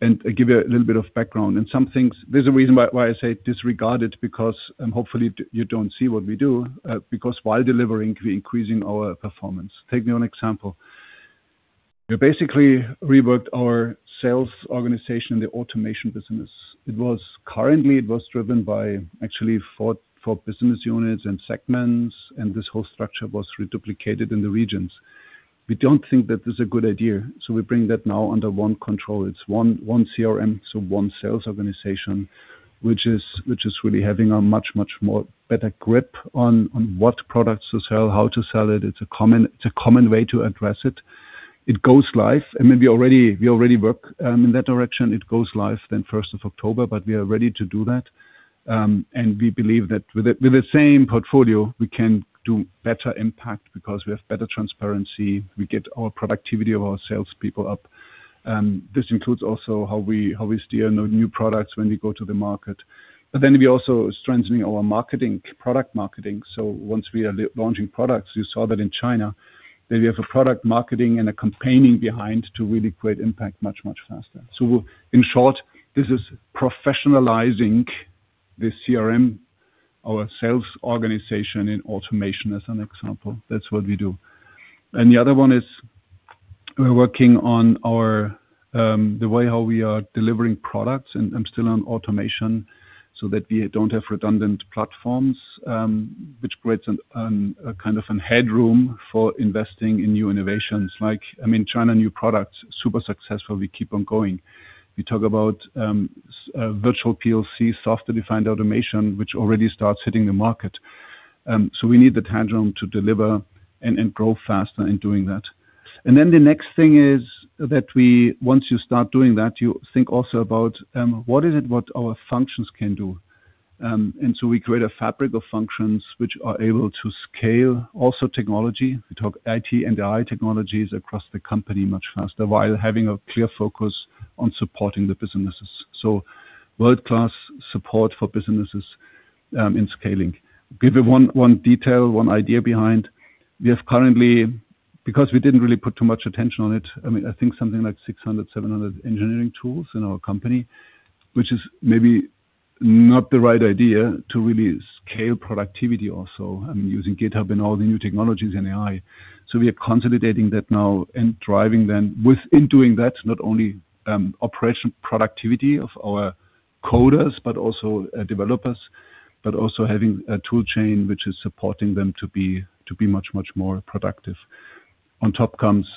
I give you a little bit of background and some things. There's a reason why I say disregard it because hopefully you don't see what we do because while delivering, we're increasing our performance. Take one example. We basically reworked our sales organization in the automation business. Currently, it was driven by actually four business units and segments, and this whole structure was reduplicated in the regions. We don't think that is a good idea. We bring that now under one control. It's one CRM, so one sales organization, which is really having a much more better grip on what products to sell, how to sell it. It's a common way to address it. It goes live. I mean, we already work in that direction. It goes live then first of October. We are ready to do that. We believe that with the same portfolio, we can do better impact because we have better transparency. We get our productivity of our sales people up. This includes also how we steer new products when we go to the market. We also strengthening our marketing, product marketing. Once we are launching products, you saw that in China, that we have a product marketing and a campaigning behind to really create impact much, much faster. In short, this is professionalizing the CRM, our sales organization in automation as an example. That's what we do. The other one is we're working on our the way how we are delivering products and still on automation so that we don't have redundant platforms, which creates a kind of a headroom for investing in new innovations. Like, I mean, China new product, super successful. We keep on going. We talk about virtual PLC, software-defined automation, which already starts hitting the market. We need the headroom to deliver and grow faster in doing that. The next thing is that once you start doing that, you think also about what is it what our functions can do. We create a fabric of functions which are able to scale also technology. We talk IT and AI technologies across the company much faster, while having a clear focus on supporting the businesses. World-class support for businesses in scaling. Give you one detail, one idea behind. We have currently, because we didn't really put too much attention on it, I think something like 600, 700 engineering tools in our company, which is maybe not the right idea to really scale productivity also. Using GitHub and all the new technologies in AI. We are consolidating that now and driving them. Within doing that, not only operation productivity of our coders, but also developers, but also having a tool chain which is supporting them to be much more productive. On top comes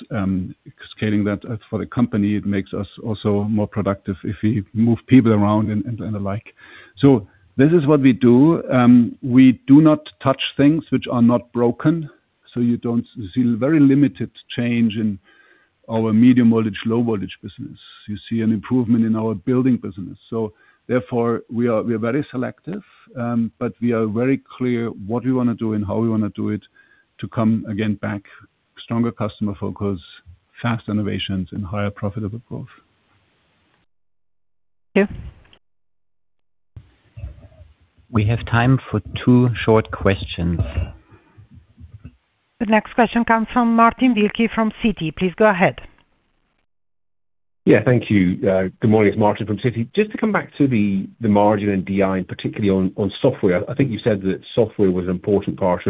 scaling that for the company. It makes us also more productive if we move people around and the like. This is what we do. We do not touch things which are not broken, so you don't see very limited change in our medium voltage, low voltage business. You see an improvement in our building business. Therefore, we are very selective, but we are very clear what we wanna do and how we wanna do it to come again back stronger customer focus, fast innovations and higher profitable growth. Thank you. We have time for two short questions. The next question comes from Martin Wilkie from Citi. Please go ahead. Yeah. Thank you. Good morning. It's Martin from Citi. Just to come back to the margin in DI, particularly on software. I think you said that software was an important part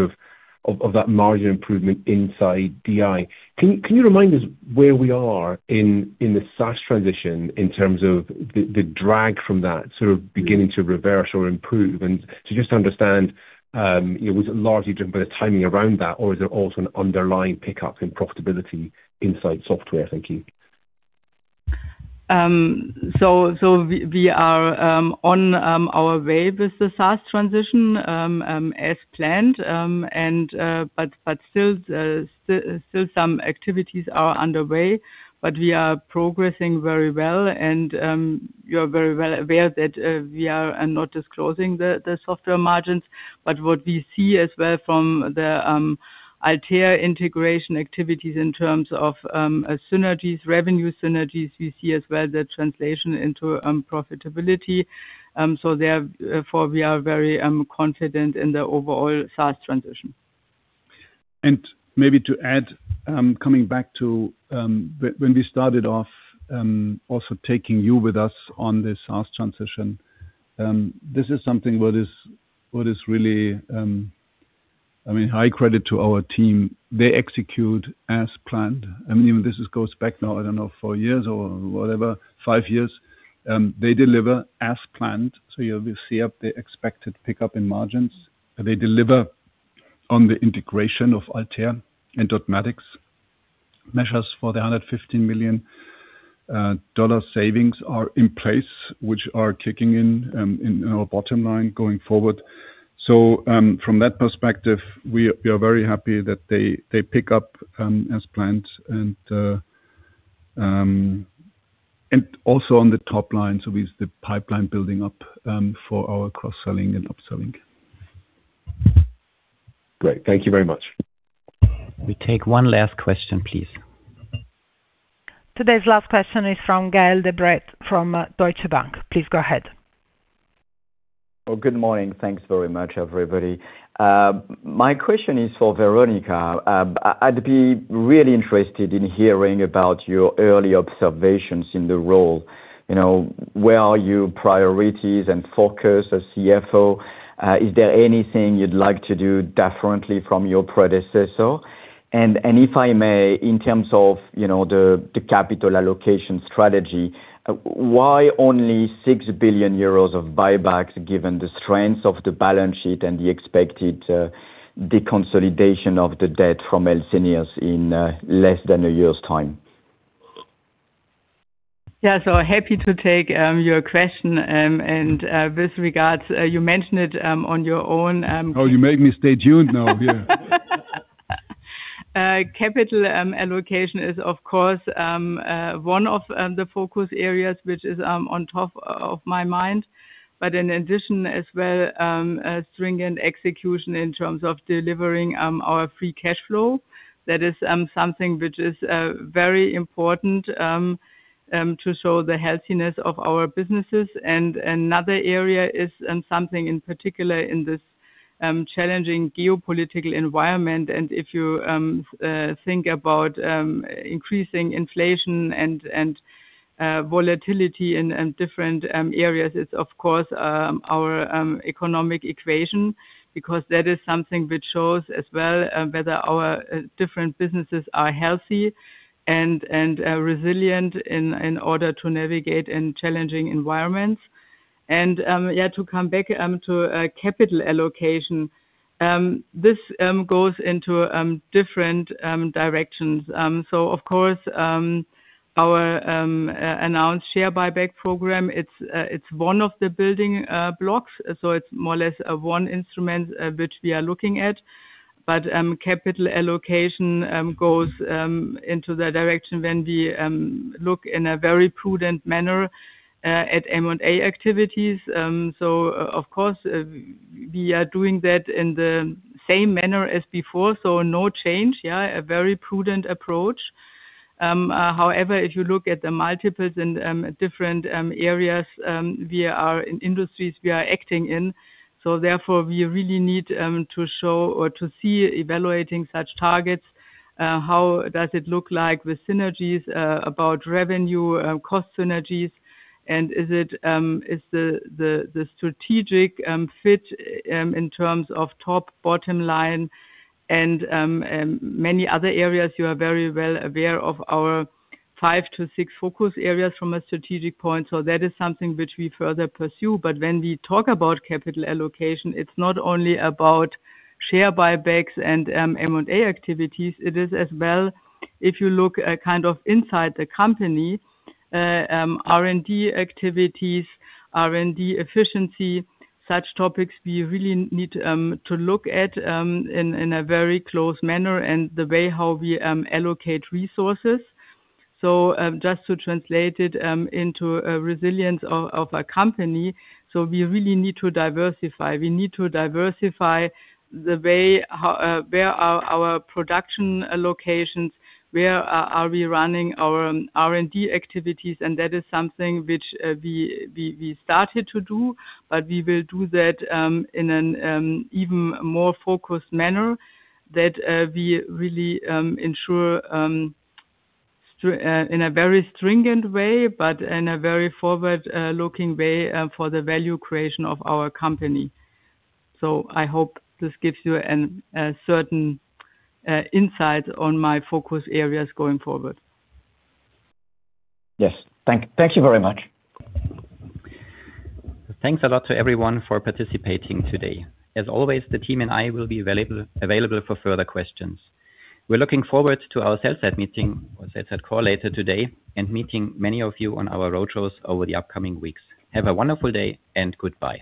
of that margin improvement inside DI. Can you remind us where we are in the SaaS transition in terms of the drag from that sort of beginning to reverse or improve? Just to understand, you know, was it largely driven by the timing around that, or is there also an underlying pickup in profitability inside software? Thank you. We are on our way with the SaaS transition as planned. But still some activities are underway. We are progressing very well and you're very well aware that we are not disclosing the software margins. What we see as well from the Altair integration activities in terms of synergies, revenue synergies, we see as well the translation into profitability. Therefore, we are very confident in the overall SaaS transition. Maybe to add, coming back to when we started off, also taking you with us on this SaaS transition. This is something what is, what is really, I mean, high credit to our team. They execute as planned. I mean, even this is goes back now, I don't know, four years or whatever, five years. They deliver as planned. We see up the expected pickup in margins. They deliver on the integration of Altair and Dotmatics. Measures for the $115 million savings are in place, which are kicking in in our bottom line going forward. From that perspective, we are very happy that they pick up as planned and also on the top line. With the pipeline building up for our cross-selling and upselling. Great. Thank you very much. We take one last question, please. Today's last question is from Gael de-Bray from Deutsche Bank. Please go ahead. Good morning. Thanks very much, everybody. My question is for Veronika. I'd be really interested in hearing about your early observations in the role. You know, where are your priorities and focus as CFO? Is there anything you'd like to do differently from your predecessor? If I may, in terms of, you know, the capital allocation strategy, why only 6 billion euros of buybacks, given the strength of the balance sheet and the expected deconsolidation of the debt from Healthineers in less than a year's time? Yeah. Happy to take your question, and with regards, you mentioned it on your own. Oh, you make me stay tuned now. Yeah. Capital allocation is, of course, one of the focus areas which is on top of my mind. In addition as well, a stringent execution in terms of delivering our free cash flow. That is something which is very important to show the healthiness of our businesses. Another area is something in particular in this challenging geopolitical environment. If you think about increasing inflation and volatility in different areas, it's of course our economic equation, because that is something which shows as well whether our different businesses are healthy and resilient in order to navigate in challenging environments. Yeah, to come back to capital allocation, this goes into different directions. Of course, our announced share buyback program, it's one of the building blocks. It's more or less one instrument which we are looking at. Capital allocation goes into the direction when we look in a very prudent manner at M&A activities. Of course, we are doing that in the same manner as before, so no change. A very prudent approach. However, if you look at the multiples in different areas, we are in industries we are acting in, so therefore, we really need to show or to see evaluating such targets, how does it look like with synergies, about revenue, cost synergies, and is it is the strategic fit, in terms of top bottom line and many other areas you are very well aware of our five to six focus areas from a strategic point. That is something which we further pursue. When we talk about capital allocation, it's not only about share buybacks and M&A activities, it is as well, if you look kind of inside the company, R&D activities, R&D efficiency, such topics we really need to look at in a very close manner and the way how we allocate resources. Just to translate it into a resilience of a company, we really need to diversify. We need to diversify the way, where are our production allocations, where are we running our R&D activities, and that is something which, we started to do, but we will do that, in an even more focused manner that, we really ensure in a very stringent way, but in a very forward-looking way for the value creation of our company. I hope this gives you a certain insight on my focus areas going forward. Yes. Thank you very much. Thanks a lot to everyone for participating today. As always, the team and I will be available for further questions. We're looking forward to our sell-side meeting or sell-side call later today and meeting many of you on our roadshows over the upcoming weeks. Have a wonderful day, and goodbye.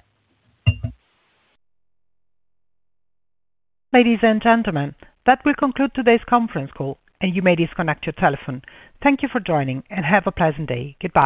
Ladies and gentlemen, that will conclude today's conference call, and you may disconnect your telephone. Thank you for joining, and have a pleasant day. Goodbye.